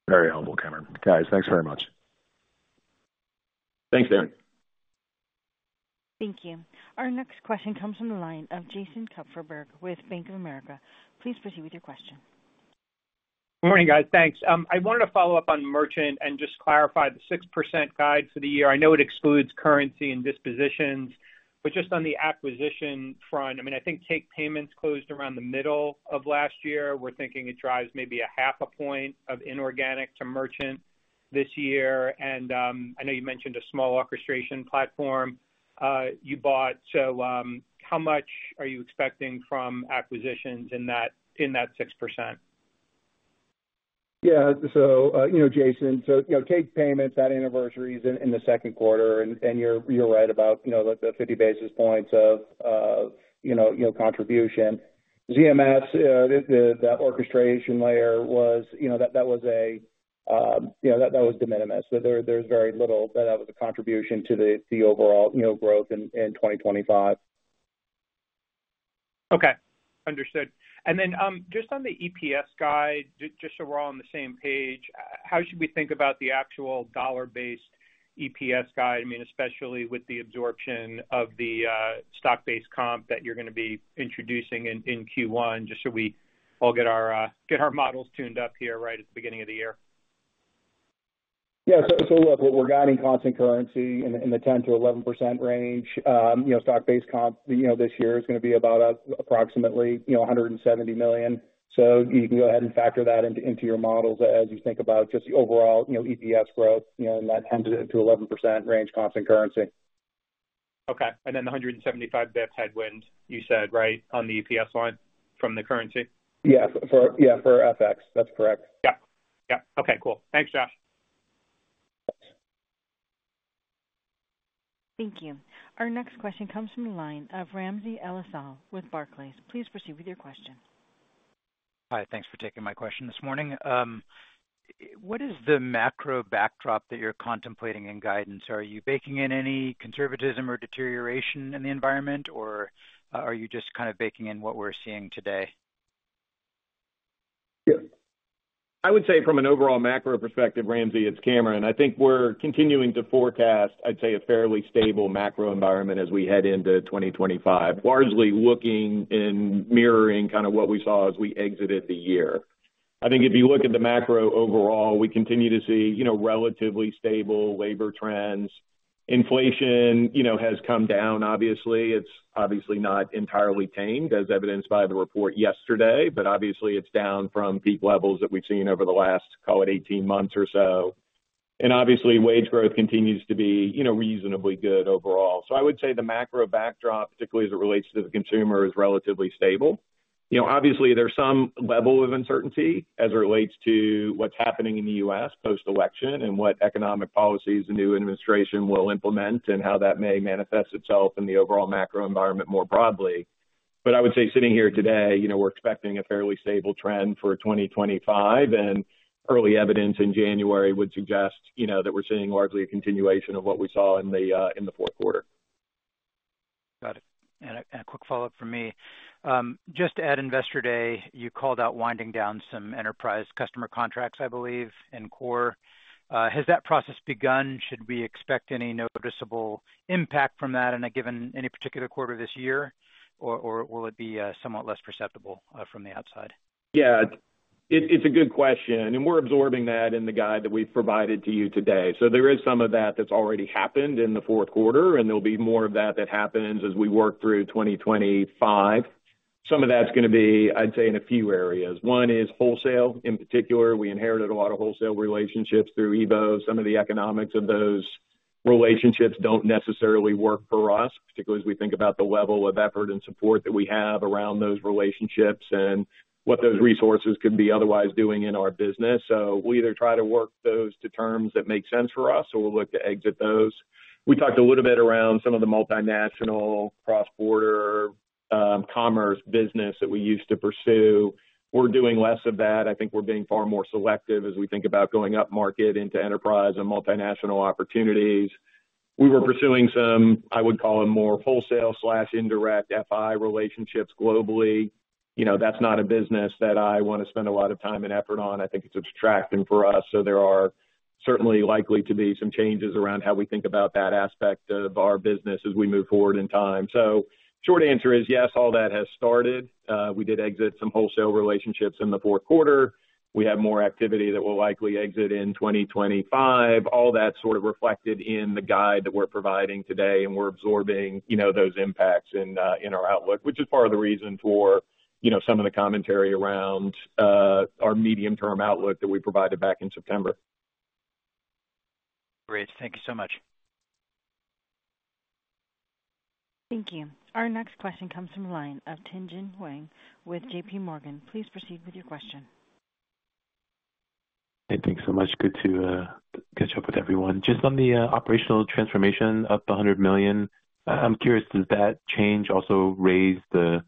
Very helpful, Cameron. Guys, thanks very much. Thanks, Darren. Thank you. Our next question comes from the line of Jason Kupferberg with Bank of America. Please proceed with your question. Morning, guys. Thanks. I wanted to follow up on merchant and just clarify the 6% guide for the year. I know it excludes currency and dispositions, but just on the acquisition front, I mean, I think Takepayments closed around the middle of last year. We're thinking it drives maybe 0.5 point of inorganic to merchant this year. And I know you mentioned a small orchestration platform you bought. So how much are you expecting from acquisitions in that 6%? Yeah, so Jason, so Takepayments, that anniversary is in the second quarter, and you're right about the 50 basis points of contribution. ZMS, that orchestration layer, that was de minimis. There's very little that was a contribution to the overall growth in 2025. Okay. Understood. And then just on the EPS guide, just so we're all on the same page, how should we think about the actual dollar-based EPS guide? I mean, especially with the absorption of the stock-based comp that you're going to be introducing in Q1, just so we all get our models tuned up here right at the beginning of the year. Yeah, so look, we're guiding constant currency in the 10%-11% range. Stock-based comp this year is going to be about approximately $170 million. So you can go ahead and factor that into your models as you think about just the overall EPS growth in that 10%-11% range constant currency. Okay. And then the 175 basis points headwind, you said, right, on the EPS line from the currency? Yeah, for FX. That's correct. Yep. Yep. Okay. Cool. Thanks, Josh. Thank you. Our next question comes from the line of Ramsey El-Assal with Barclays. Please proceed with your question. Hi. Thanks for taking my question this morning. What is the macro backdrop that you're contemplating in guidance? Are you baking in any conservatism or deterioration in the environment, or are you just kind of baking in what we're seeing today? Yes. I would say from an overall macro perspective, Ramsey, it's Cameron. I think we're continuing to forecast, I'd say, a fairly stable macro environment as we head into 2025, largely looking and mirroring kind of what we saw as we exited the year. I think if you look at the macro overall, we continue to see relatively stable labor trends. Inflation has come down, obviously. It's obviously not entirely tamed, as evidenced by the report yesterday, but obviously it's down from peak levels that we've seen over the last, call it, 18 months or so. And obviously, wage growth continues to be reasonably good overall. So I would say the macro backdrop, particularly as it relates to the consumer, is relatively stable. Obviously, there's some level of uncertainty as it relates to what's happening in the U.S. post-election and what economic policies the new administration will implement and how that may manifest itself in the overall macro environment more broadly. But I would say sitting here today, we're expecting a fairly stable trend for 2025, and early evidence in January would suggest that we're seeing largely a continuation of what we saw in the fourth quarter. Got it. And a quick follow-up from me. Just at Investor Day, you called out winding down some enterprise customer contracts, I believe, and core. Has that process begun? Should we expect any noticeable impact from that in a given any particular quarter of this year, or will it be somewhat less perceptible from the outside? Yeah, it's a good question, and we're absorbing that in the guide that we've provided to you today, so there is some of that that's already happened in the fourth quarter, and there'll be more of that that happens as we work through 2025. Some of that's going to be, I'd say, in a few areas. One is wholesale, in particular. We inherited a lot of wholesale relationships through EVO. Some of the economics of those relationships don't necessarily work for us, particularly as we think about the level of effort and support that we have around those relationships and what those resources could be otherwise doing in our business. So we either try to work those to terms that make sense for us, or we'll look to exit those. We talked a little bit around some of the multinational cross-border commerce business that we used to pursue. We're doing less of that. I think we're being far more selective as we think about going up market into enterprise and multinational opportunities. We were pursuing some, I would call them, more wholesale/indirect FI relationships globally. That's not a business that I want to spend a lot of time and effort on. I think it's distracting for us. So there are certainly likely to be some changes around how we think about that aspect of our business as we move forward in time. So short answer is yes, all that has started. We did exit some wholesale relationships in the fourth quarter. We have more activity that will likely exit in 2025. All that's sort of reflected in the guide that we're providing today, and we're absorbing those impacts in our outlook, which is part of the reason for some of the commentary around our medium-term outlook that we provided back in September. Great. Thank you so much. Thank you. Our next question comes from the line of Tien-tsin Huang with J.P. Morgan. Please proceed with your question. Hey, thanks so much. Good to catch up with everyone. Just on the operational transformation of the $100 million, I'm curious, does that change also raise the,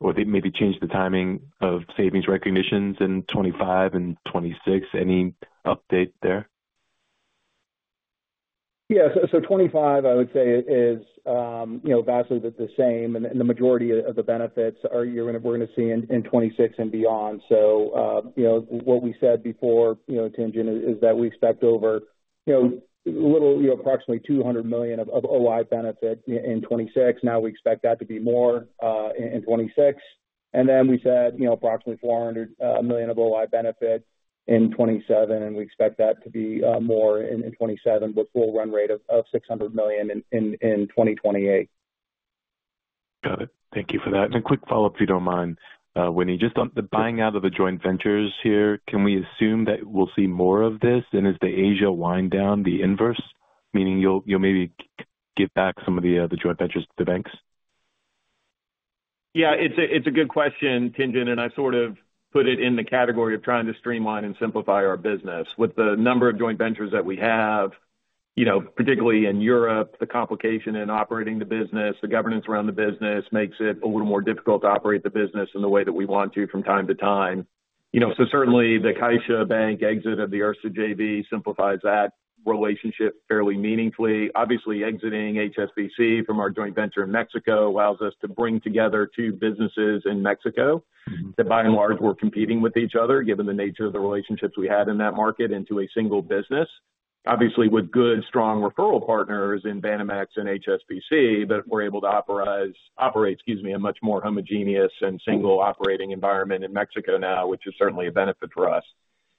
or maybe change the timing of savings recognitions in 2025 and 2026? Any update there? Yeah. So 2025, I would say, is vastly the same, and the majority of the benefits we're going to see in 2026 and beyond. So what we said before, Tien-tsin, is that we expect over a little, approximately $200 million of OI benefit in 2026. Now we expect that to be more in 2026. And then we said approximately $400 million of OI benefit in 2027, and we expect that to be more in 2027 with full run rate of $600 million in 2028. Got it. Thank you for that. And a quick follow-up, if you don't mind, Winnie, just on the buying out of the joint ventures here, can we assume that we'll see more of this? And is the Asia wind down the inverse, meaning you'll maybe give back some of the joint ventures to the banks? Yeah, it's a good question, Tien-tsin, and I sort of put it in the category of trying to streamline and simplify our business. With the number of joint ventures that we have, particularly in Europe, the complication in operating the business, the governance around the business makes it a little more difficult to operate the business in the way that we want to from time to time. So certainly, the CaixaBank exit of the Erste JV simplifies that relationship fairly meaningfully. Obviously, exiting HSBC from our joint venture in Mexico allows us to bring together two businesses in Mexico that, by and large, were competing with each other, given the nature of the relationships we had in that market, into a single business. Obviously, with good, strong referral partners in Banamex and HSBC, that we're able to operate, excuse me, a much more homogeneous and single operating environment in Mexico now, which is certainly a benefit for us.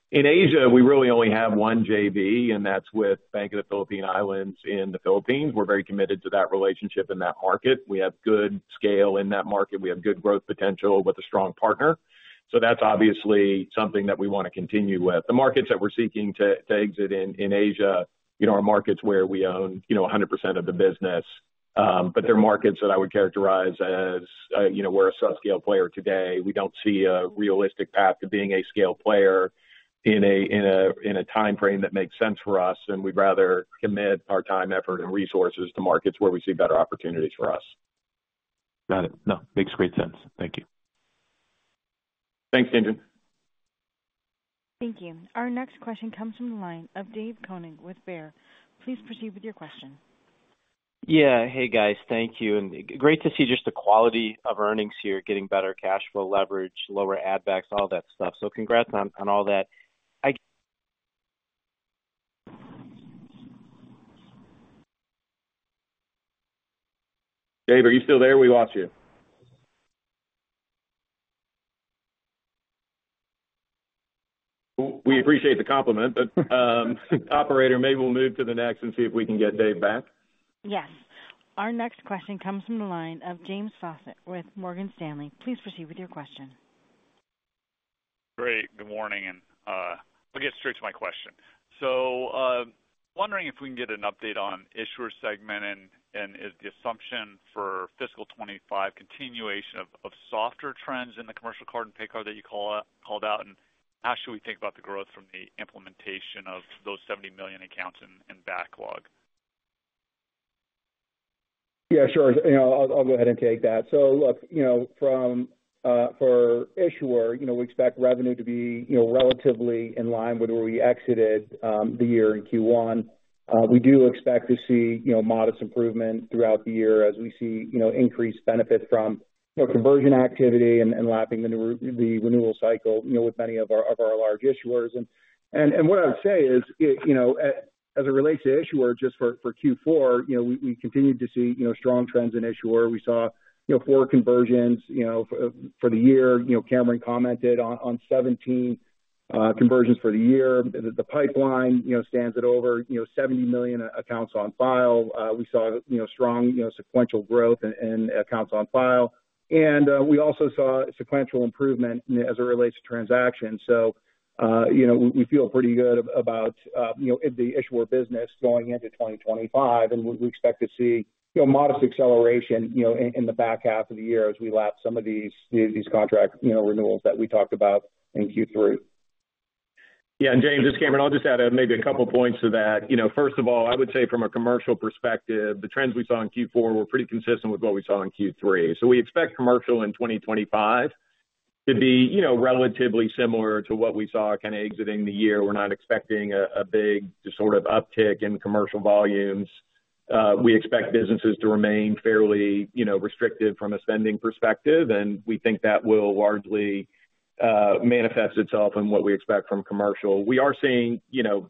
In Asia, we really only have one JV, and that's with Bank of the Philippine Islands in the Philippines. We're very committed to that relationship in that market. We have good scale in that market. We have good growth potential with a strong partner. So that's obviously something that we want to continue with. The markets that we're seeking to exit in Asia, our markets where we own 100% of the business, but they're markets that I would characterize as we're a subscale player today. We don't see a realistic path to being a scale player in a timeframe that makes sense for us, and we'd rather commit our time effort and resources to markets where we see better opportunities for us. Got it. No, makes great sense. Thank you. Thanks, Tien-tsin. Thank you. Our next question comes from the line of David Koning with Baird. Please proceed with your question. Yeah. Hey, guys. Thank you and great to see just the quality of earnings here, getting better cash flow leverage, lower add-backs, all that stuff. So congrats on all that. Dave, are you still there? We lost you. We appreciate the compliment. Operator, maybe we'll move to the next and see if we can get Dave back. Yes. Our next question comes from the line of James Faucette with Morgan Stanley. Please proceed with your question. Great. Good morning, and I'll get straight to my question. So, wondering if we can get an update on Issuer segment and is the assumption for fiscal 2025 continuation of softer trends in the commercial card and paycard that you called out, and how should we think about the growth from the implementation of those 70 million accounts in backlog? Yeah, sure. I'll go ahead and take that. So, look, for Issuer, we expect revenue to be relatively in line with where we exited the year in Q1. We do expect to see modest improvement throughout the year as we see increased benefit from conversion activity and lapping the renewal cycle with many of our large Issuers. And what I would say is, as it relates to Issuer, just for Q4, we continued to see strong trends in Issuer. We saw four conversions for the year. Cameron commented on 17 conversions for the year. The pipeline stands at over 70 million accounts on file. We saw strong sequential growth in accounts on file. And we also saw sequential improvement as it relates to transactions. So we feel pretty good about the Issuer business going into 2025, and we expect to see modest acceleration in the back half of the year as we lap some of these contract renewals that we talked about in Q3. Yeah. And James, this is Cameron. I'll just add maybe a couple of points to that. First of all, I would say from a commercial perspective, the trends we saw in Q4 were pretty consistent with what we saw in Q3. So we expect commercial in 2025 to be relatively similar to what we saw kind of exiting the year. We're not expecting a big sort of uptick in commercial volumes. We expect businesses to remain fairly restrictive from a spending perspective, and we think that will largely manifest itself in what we expect from commercial. We are seeing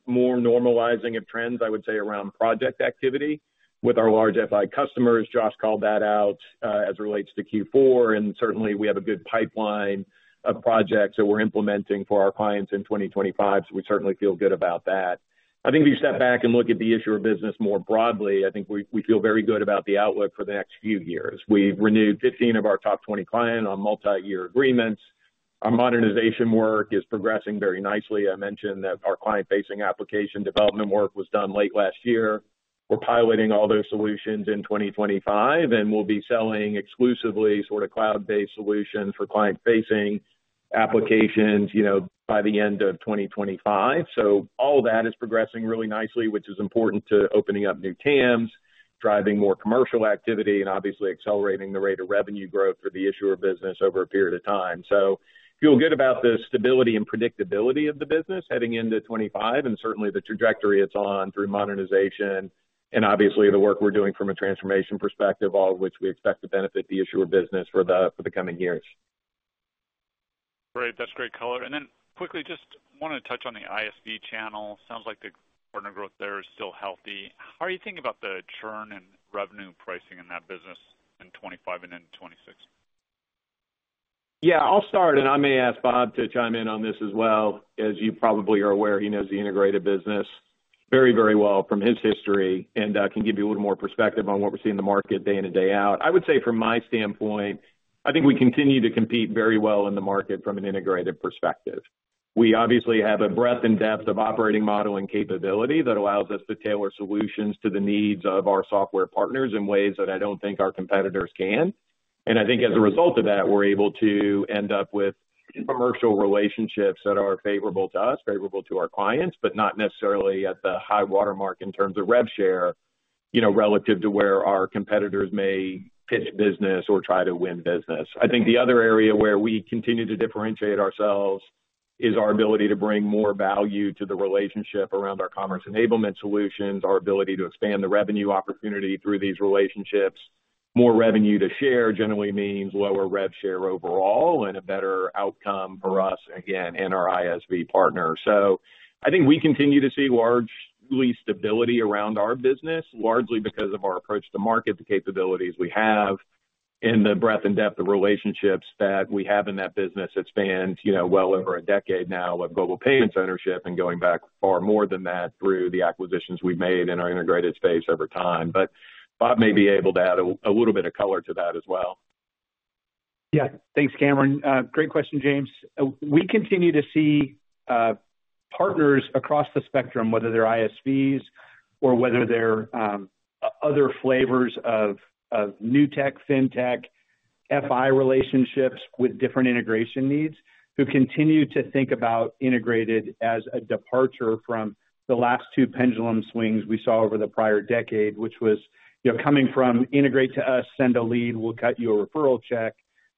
more normalizing of trends, I would say, around project activity with our large FI customers. Josh called that out as it relates to Q4, and certainly, we have a good pipeline of projects that we're implementing for our clients in 2025, so we certainly feel good about that. I think if you step back and look at the Issuer business more broadly, I think we feel very good about the outlook for the next few years. We've renewed 15 of our top 20 clients on multi-year agreements. Our modernization work is progressing very nicely. I mentioned that our client-facing application development work was done late last year. We're piloting all those solutions in 2025, and we'll be selling exclusively sort of cloud-based solutions for client-facing applications by the end of 2025. So all of that is progressing really nicely, which is important to opening up new TAMs, driving more commercial activity, and obviously accelerating the rate of revenue growth for the Issuer business over a period of time. So feel good about the stability and predictability of the business heading into 2025, and certainly the trajectory it's on through modernization, and obviously the work we're doing from a transformation perspective, all of which we expect to benefit the Issuer business for the coming years. Great. That's great color. And then quickly, just want to touch on the ISV channel. Sounds like the partner growth there is still healthy. How are you thinking about the churn and revenue pricing in that business in 2025 and in 2026? Yeah. I'll start, and I may ask Bob to chime in on this as well. As you probably are aware, he knows the integrated business very, very well from his history and can give you a little more perspective on what we're seeing in the market day in and day out. I would say from my standpoint, I think we continue to compete very well in the market from an integrated perspective. We obviously have a breadth and depth of operating model and capability that allows us to tailor solutions to the needs of our software partners in ways that I don't think our competitors can. And I think as a result of that, we're able to end up with commercial relationships that are favorable to us, favorable to our clients, but not necessarily at the high watermark in terms of rev share relative to where our competitors may pitch business or try to win business. I think the other area where we continue to differentiate ourselves is our ability to bring more value to the relationship around our commerce enablement solutions, our ability to expand the revenue opportunity through these relationships. More revenue to share generally means lower rev share overall and a better outcome for us, again, and our ISV partners. So I think we continue to see largely stability around our business, largely because of our approach to market, the capabilities we have, and the breadth and depth of relationships that we have in that business. It's been well over a decade now of Global Payments ownership and going back far more than that through the acquisitions we've made in our integrated space over time. But Bob may be able to add a little bit of color to that as well. Yeah. Thanks, Cameron. Great question, James. We continue to see partners across the spectrum, whether they're ISVs or whether they're other flavors of new tech, fintech, FI relationships with different integration needs, who continue to think about integrated as a departure from the last two pendulum swings we saw over the prior decade, which was coming from integrate to us, send a lead, we'll cut you a referral check,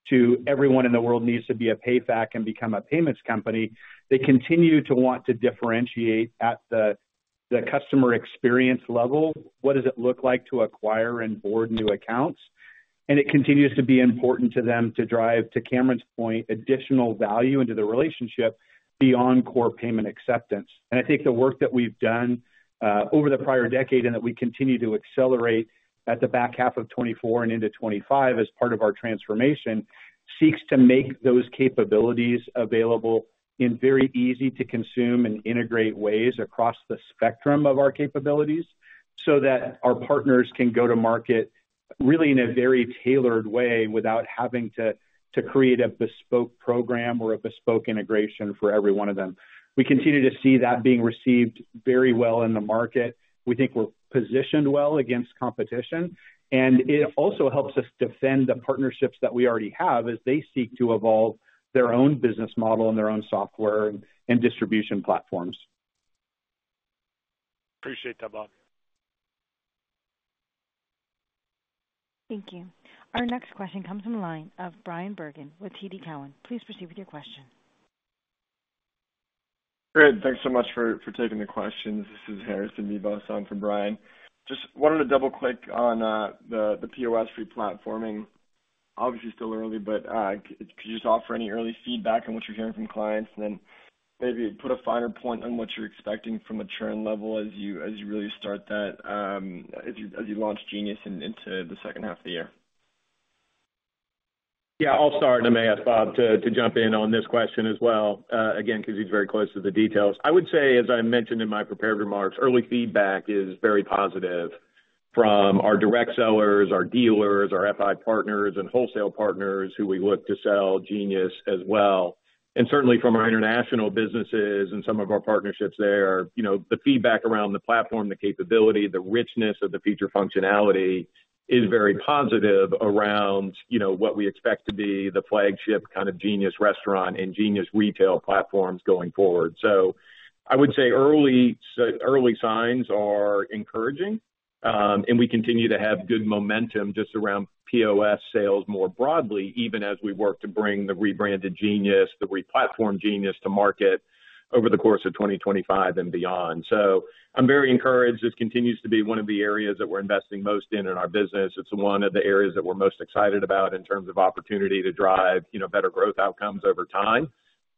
to everyone in the world needs to be a PayFac and become a payments company. They continue to want to differentiate at the customer experience level. What does it look like to acquire and onboard new accounts? And it continues to be important to them to drive, to Cameron's point, additional value into the relationship beyond core payment acceptance. I think the work that we've done over the prior decade and that we continue to accelerate at the back half of 2024 and into 2025 as part of our transformation seeks to make those capabilities available in very easy-to-consume and integrate ways across the spectrum of our capabilities so that our partners can go to market really in a very tailored way without having to create a bespoke program or a bespoke integration for every one of them. We continue to see that being received very well in the market. We think we're positioned well against competition, and it also helps us defend the partnerships that we already have as they seek to evolve their own business model and their own software and distribution platforms. Appreciate that, Bob. Thank you. Our next question comes from the line of Bryan Bergin with TD Cowen. Please proceed with your question. Great. Thanks so much for taking the questions. This is Harrison Nieves on for Bryan. Just wanted to double-click on the POS fleet platforming. Obviously, still early, but could you just offer any early feedback on what you're hearing from clients and then maybe put a finer point on what you're expecting from a churn level as you really start that as you launch Genius into the second half of the year? Yeah. I'll start and then maybe ask Bob to jump in on this question as well, again, because he's very close to the details. I would say, as I mentioned in my prepared remarks, early feedback is very positive from our direct sellers, our dealers, our FI partners, and wholesale partners who we look to sell Genius as well. Certainly from our international businesses and some of our partnerships there, the feedback around the platform, the capability, the richness of the feature functionality is very positive around what we expect to be the flagship kind of Genius Restaurant and Genius Retail platforms going forward. I would say early signs are encouraging, and we continue to have good momentum just around POS sales more broadly, even as we work to bring the rebranded Genius, the replatformed Genius to market over the course of 2025 and beyond. I'm very encouraged. This continues to be one of the areas that we're investing most in in our business. It's one of the areas that we're most excited about in terms of opportunity to drive better growth outcomes over time.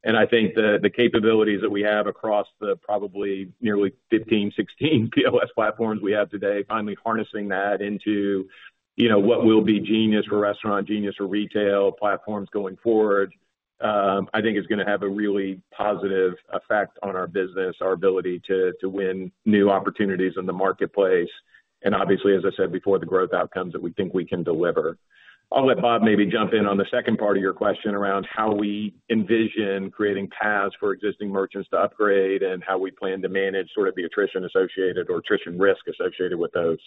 I think the capabilities that we have across the probably nearly 15, 16 POS platforms we have today, finally harnessing that into what will be Genius for restaurant, Genius for retail platforms going forward, I think is going to have a really positive effect on our business, our ability to win new opportunities in the marketplace, and obviously, as I said before, the growth outcomes that we think we can deliver. I'll let Bob maybe jump in on the second part of your question around how we envision creating paths for existing merchants to upgrade and how we plan to manage sort of the attrition associated or attrition risk associated with those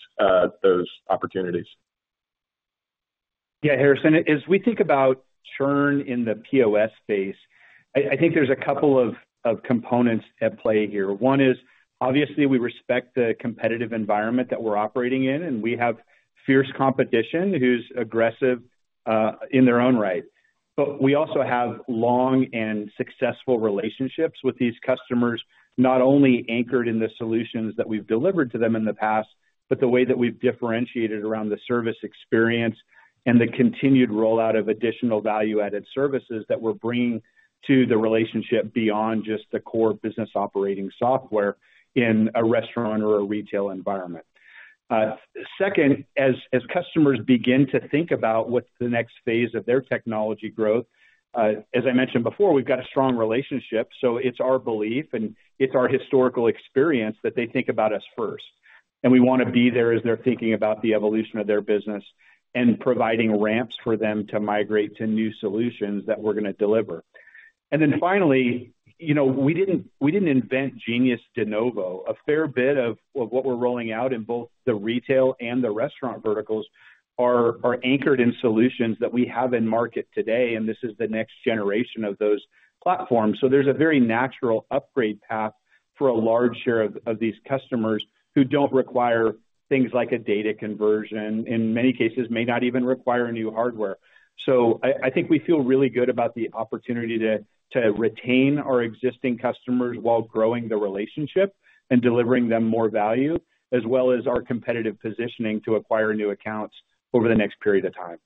opportunities. Yeah, Harrison, as we think about churn in the POS space, I think there's a couple of components at play here. One is, obviously, we respect the competitive environment that we're operating in, and we have fierce competition who's aggressive in their own right. But we also have long and successful relationships with these customers, not only anchored in the solutions that we've delivered to them in the past, but the way that we've differentiated around the service experience and the continued rollout of additional value-added services that we're bringing to the relationship beyond just the core business operating software in a restaurant or a retail environment. Second, as customers begin to think about what's the next phase of their technology growth, as I mentioned before, we've got a strong relationship. So it's our belief and it's our historical experience that they think about us first. We want to be there as they're thinking about the evolution of their business and providing ramps for them to migrate to new solutions that we're going to deliver, and then finally, we didn't invent Genius de novo. A fair bit of what we're rolling out in both the retail and the restaurant verticals are anchored in solutions that we have in market today, and this is the next generation of those platforms, so there's a very natural upgrade path for a large share of these customers who don't require things like a data conversion. In many cases, may not even require new hardware, so I think we feel really good about the opportunity to retain our existing customers while growing the relationship and delivering them more value, as well as our competitive positioning to acquire new accounts over the next period of time.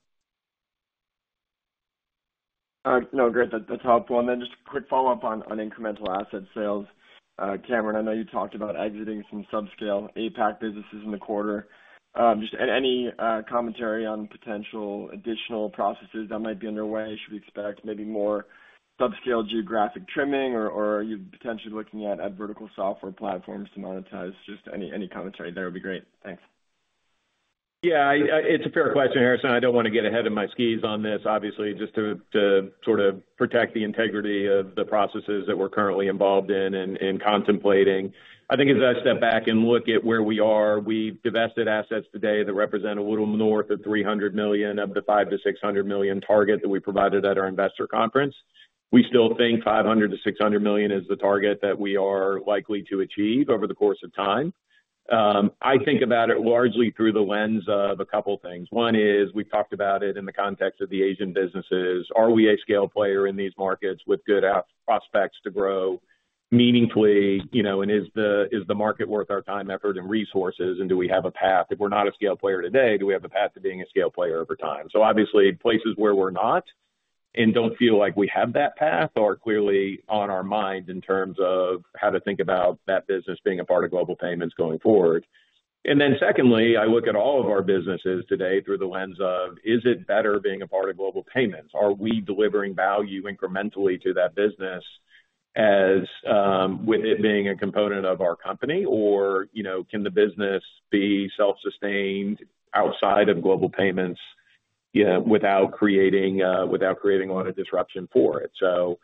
All right. No, great. That's helpful. And then just a quick follow-up on incremental asset sales. Cameron, I know you talked about exiting some subscale APAC businesses in the quarter. Just any commentary on potential additional processes that might be underway? Should we expect maybe more subscale geographic trimming, or are you potentially looking at vertical software platforms to monetize? Just any commentary there would be great. Thanks. Yeah. It's a fair question, Harrison. I don't want to get ahead of my skis on this. Obviously, just to sort of protect the integrity of the processes that we're currently involved in and contemplating. I think as I step back and look at where we are, we've divested assets today that represent a little north of $300 million of the $500 million-$600 million target that we provided at our investor conference. We still think $500 million-$600 million is the target that we are likely to achieve over the course of time. I think about it largely through the lens of a couple of things. One is we've talked about it in the context of the Asian businesses. Are we a scale player in these markets with good prospects to grow meaningfully? And is the market worth our time, effort, and resources, and do we have a path? If we're not a scale player today, do we have a path to being a scale player over time? So obviously, places where we're not and don't feel like we have that path are clearly on our mind in terms of how to think about that business being a part of Global Payments going forward. And then, secondly, I look at all of our businesses today through the lens of, is it better being a part of Global Payments? Are we delivering value incrementally to that business with it being a component of our company, or can the business be self-sustained outside of Global Payments without creating a lot of disruption for it? So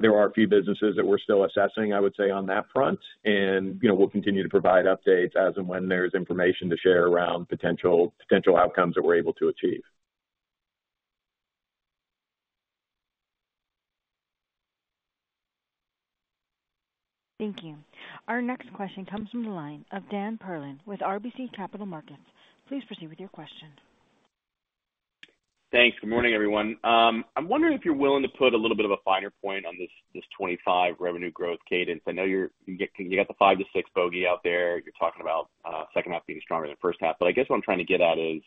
there are a few businesses that we're still assessing, I would say, on that front, and we'll continue to provide updates as and when there's information to share around potential outcomes that we're able to achieve. Thank you. Our next question comes from the line of Dan Perlin with RBC Capital Markets. Please proceed with your question. Thanks. Good morning, everyone. I'm wondering if you're willing to put a little bit of a finer point on this '25 revenue growth cadence. I know you got the 5 to 6 bogey out there. You're talking about second half being stronger than first half. But I guess what I'm trying to get at is,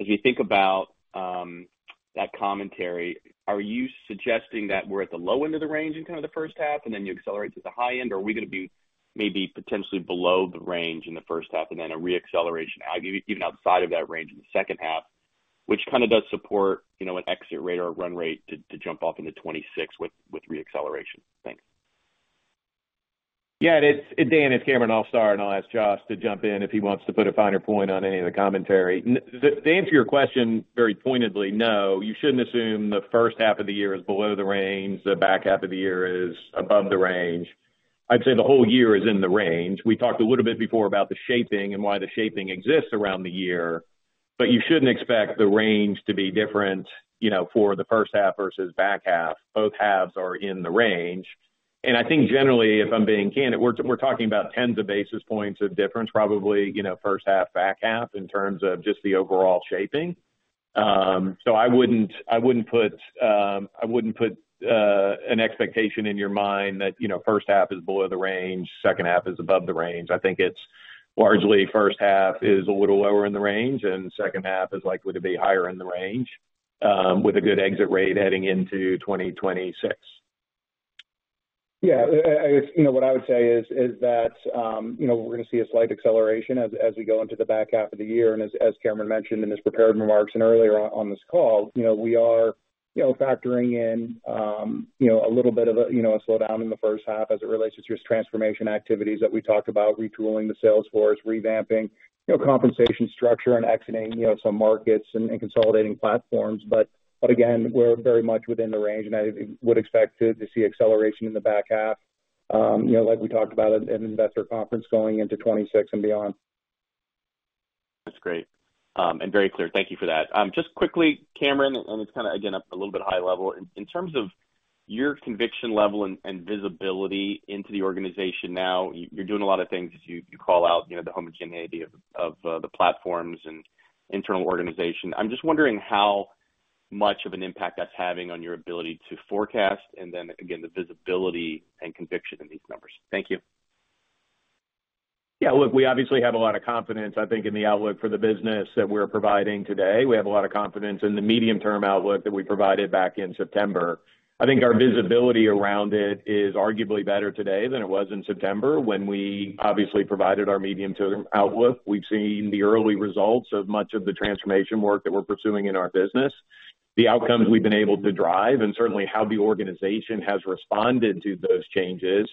as we think about that commentary, are you suggesting that we're at the low end of the range in kind of the first half, and then you accelerate to the high end? Or are we going to be maybe potentially below the range in the first half and then a reacceleration even outside of that range in the second half, which kind of does support an exit rate or a run rate to jump off into 2026 with reacceleration? Thanks. Yeah. Dan, it's Cameron. I'll start, and I'll ask Josh to jump in if he wants to put a finer point on any of the commentary. To answer your question very pointedly, no. You shouldn't assume the first half of the year is below the range. The back half of the year is above the range. I'd say the whole year is in the range. We talked a little bit before about the shaping and why the shaping exists around the year, but you shouldn't expect the range to be different for the first half versus back half. Both halves are in the range. And I think generally, if I'm being candid, we're talking about tens of basis points of difference, probably first half, back half in terms of just the overall shaping. So I wouldn't put an expectation in your mind that first half is below the range, second half is above the range. I think it's largely first half is a little lower in the range, and second half is likely to be higher in the range with a good exit rate heading into 2026. Yeah. What I would say is that we're going to see a slight acceleration as we go into the back half of the year, and as Cameron mentioned in his prepared remarks and earlier on this call, we are factoring in a little bit of a slowdown in the first half as it relates to just transformation activities that we talked about, retooling the salesforce, revamping compensation structure and exiting some markets and consolidating platforms, but again, we're very much within the range, and I would expect to see acceleration in the back half, like we talked about at an investor conference going into 2026 and beyond. That's great and very clear. Thank you for that. Just quickly, Cameron, and it's kind of, again, a little bit high level. In terms of your conviction level and visibility into the organization now, you're doing a lot of things. You call out the homogeneity of the platforms and internal organization. I'm just wondering how much of an impact that's having on your ability to forecast and then, again, the visibility and conviction in these numbers. Thank you. Yeah. Look, we obviously have a lot of confidence, I think, in the outlook for the business that we're providing today. We have a lot of confidence in the medium-term outlook that we provided back in September. I think our visibility around it is arguably better today than it was in September when we obviously provided our medium-term outlook. We've seen the early results of much of the transformation work that we're pursuing in our business, the outcomes we've been able to drive, and certainly how the organization has responded to those changes,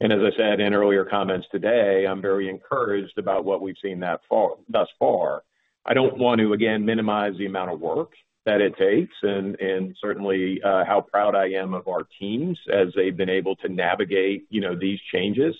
and as I said in earlier comments today, I'm very encouraged about what we've seen thus far. I don't want to, again, minimize the amount of work that it takes and certainly how proud I am of our teams as they've been able to navigate these changes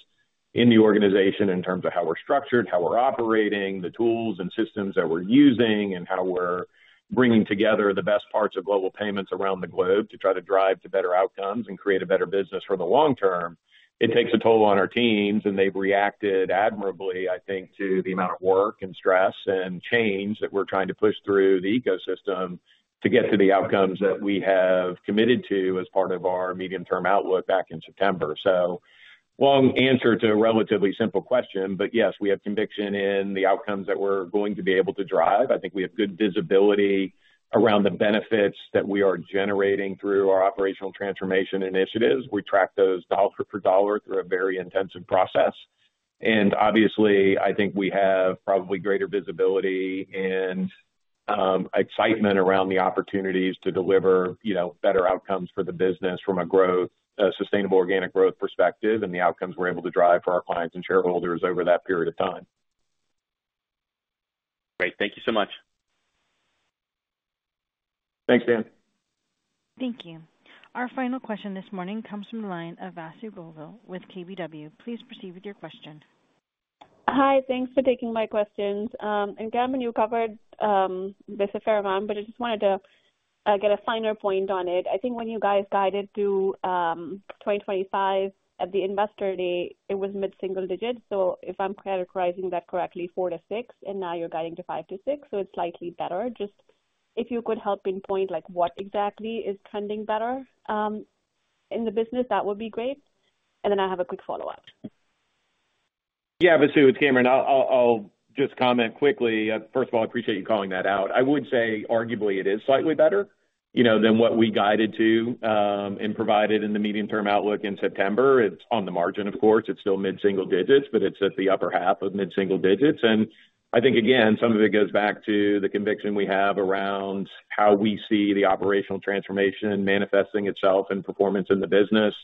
in the organization in terms of how we're structured, how we're operating, the tools and systems that we're using, and how we're bringing together the best parts of Global Payments around the globe to try to drive to better outcomes and create a better business for the long term. It takes a toll on our teams, and they've reacted admirably, I think, to the amount of work and stress and change that we're trying to push through the ecosystem to get to the outcomes that we have committed to as part of our medium-term outlook back in September. So long answer to a relatively simple question, but yes, we have conviction in the outcomes that we're going to be able to drive. I think we have good visibility around the benefits that we are generating through our operational transformation initiatives. We track those dollar for dollar through a very intensive process. And obviously, I think we have probably greater visibility and excitement around the opportunities to deliver better outcomes for the business from a sustainable organic growth perspective and the outcomes we're able to drive for our clients and shareholders over that period of time. Great. Thank you so much. Thanks, Dan. Thank you. Our final question this morning comes from the line of Vasu Govil with KBW. Please proceed with your question. Hi. Thanks for taking my questions. And Cameron, you covered this a fair amount, but I just wanted to get a finer point on it. I think when you guys guided through 2025 at the investor day, it was mid-single digits. So if I'm categorizing that correctly, 4-6, and now you're guiding to 5-6, so it's slightly better. Just if you could help pinpoint what exactly is trending better in the business, that would be great. And then I have a quick follow-up. Yeah. But too, Cameron, I'll just comment quickly. First of all, I appreciate you calling that out. I would say arguably it is slightly better than what we guided to and provided in the medium-term outlook in September. It's on the margin, of course. It's still mid-single digits, but it's at the upper half of mid-single digits. And I think, again, some of it goes back to the conviction we have around how we see the operational transformation manifesting itself in performance in the business.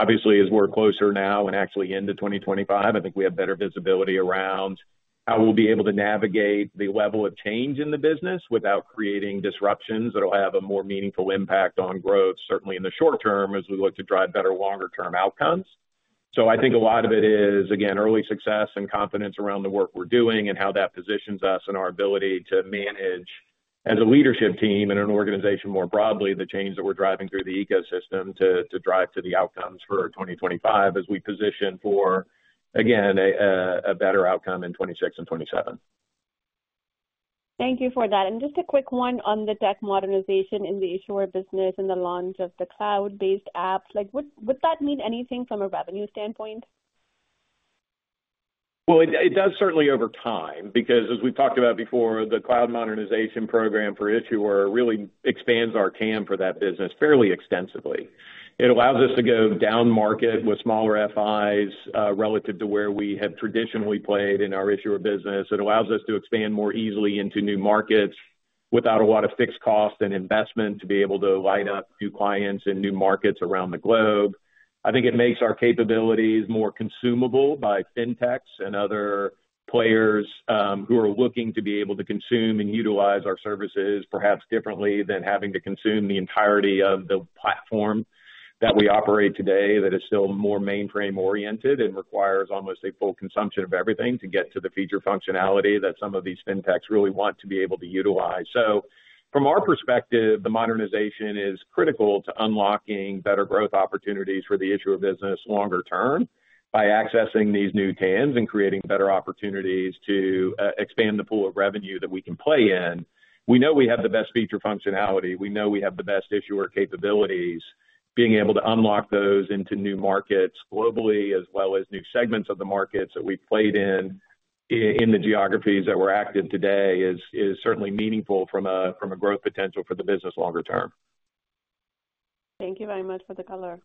Obviously, as we're closer now and actually into 2025, I think we have better visibility around how we'll be able to navigate the level of change in the business without creating disruptions that will have a more meaningful impact on growth, certainly in the short term as we look to drive better longer-term outcomes. I think a lot of it is, again, early success and confidence around the work we're doing and how that positions us and our ability to manage as a leadership team and an organization more broadly the change that we're driving through the ecosystem to drive to the outcomes for 2025 as we position for, again, a better outcome in 2026 and 2027. Thank you for that. And just a quick one on the tech modernization in the Issuer business and the launch of the cloud-based app. Would that mean anything from a revenue standpoint? Well, it does certainly over time because, as we've talked about before, the cloud modernization program for Issuer really expands our TAM for that business fairly extensively. It allows us to go down market with smaller FIs relative to where we have traditionally played in our Issuer business. It allows us to expand more easily into new markets without a lot of fixed cost and investment to be able to line up new clients in new markets around the globe. I think it makes our capabilities more consumable by fintechs and other players who are looking to be able to consume and utilize our services perhaps differently than having to consume the entirety of the platform that we operate today that is still more mainframe-oriented and requires almost a full consumption of everything to get to the feature functionality that some of these fintechs really want to be able to utilize. So from our perspective, the modernization is critical to unlocking better growth opportunities for the Issuer business longer term by accessing these new TAMs and creating better opportunities to expand the pool of revenue that we can play in. We know we have the best feature functionality. We know we have the best Issuer capabilities. Being able to unlock those into new markets globally, as well as new segments of the markets that we've played in in the geographies that we're active today, is certainly meaningful from a growth potential for the business longer term. Thank you very much for the color.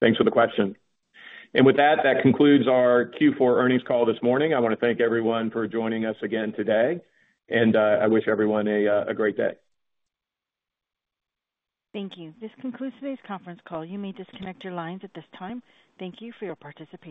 Thanks for the question, and with that, that concludes our Q4 earnings call this morning. I want to thank everyone for joining us again today, and I wish everyone a great day. Thank you. This concludes today's conference call. You may disconnect your lines at this time. Thank you for your participation.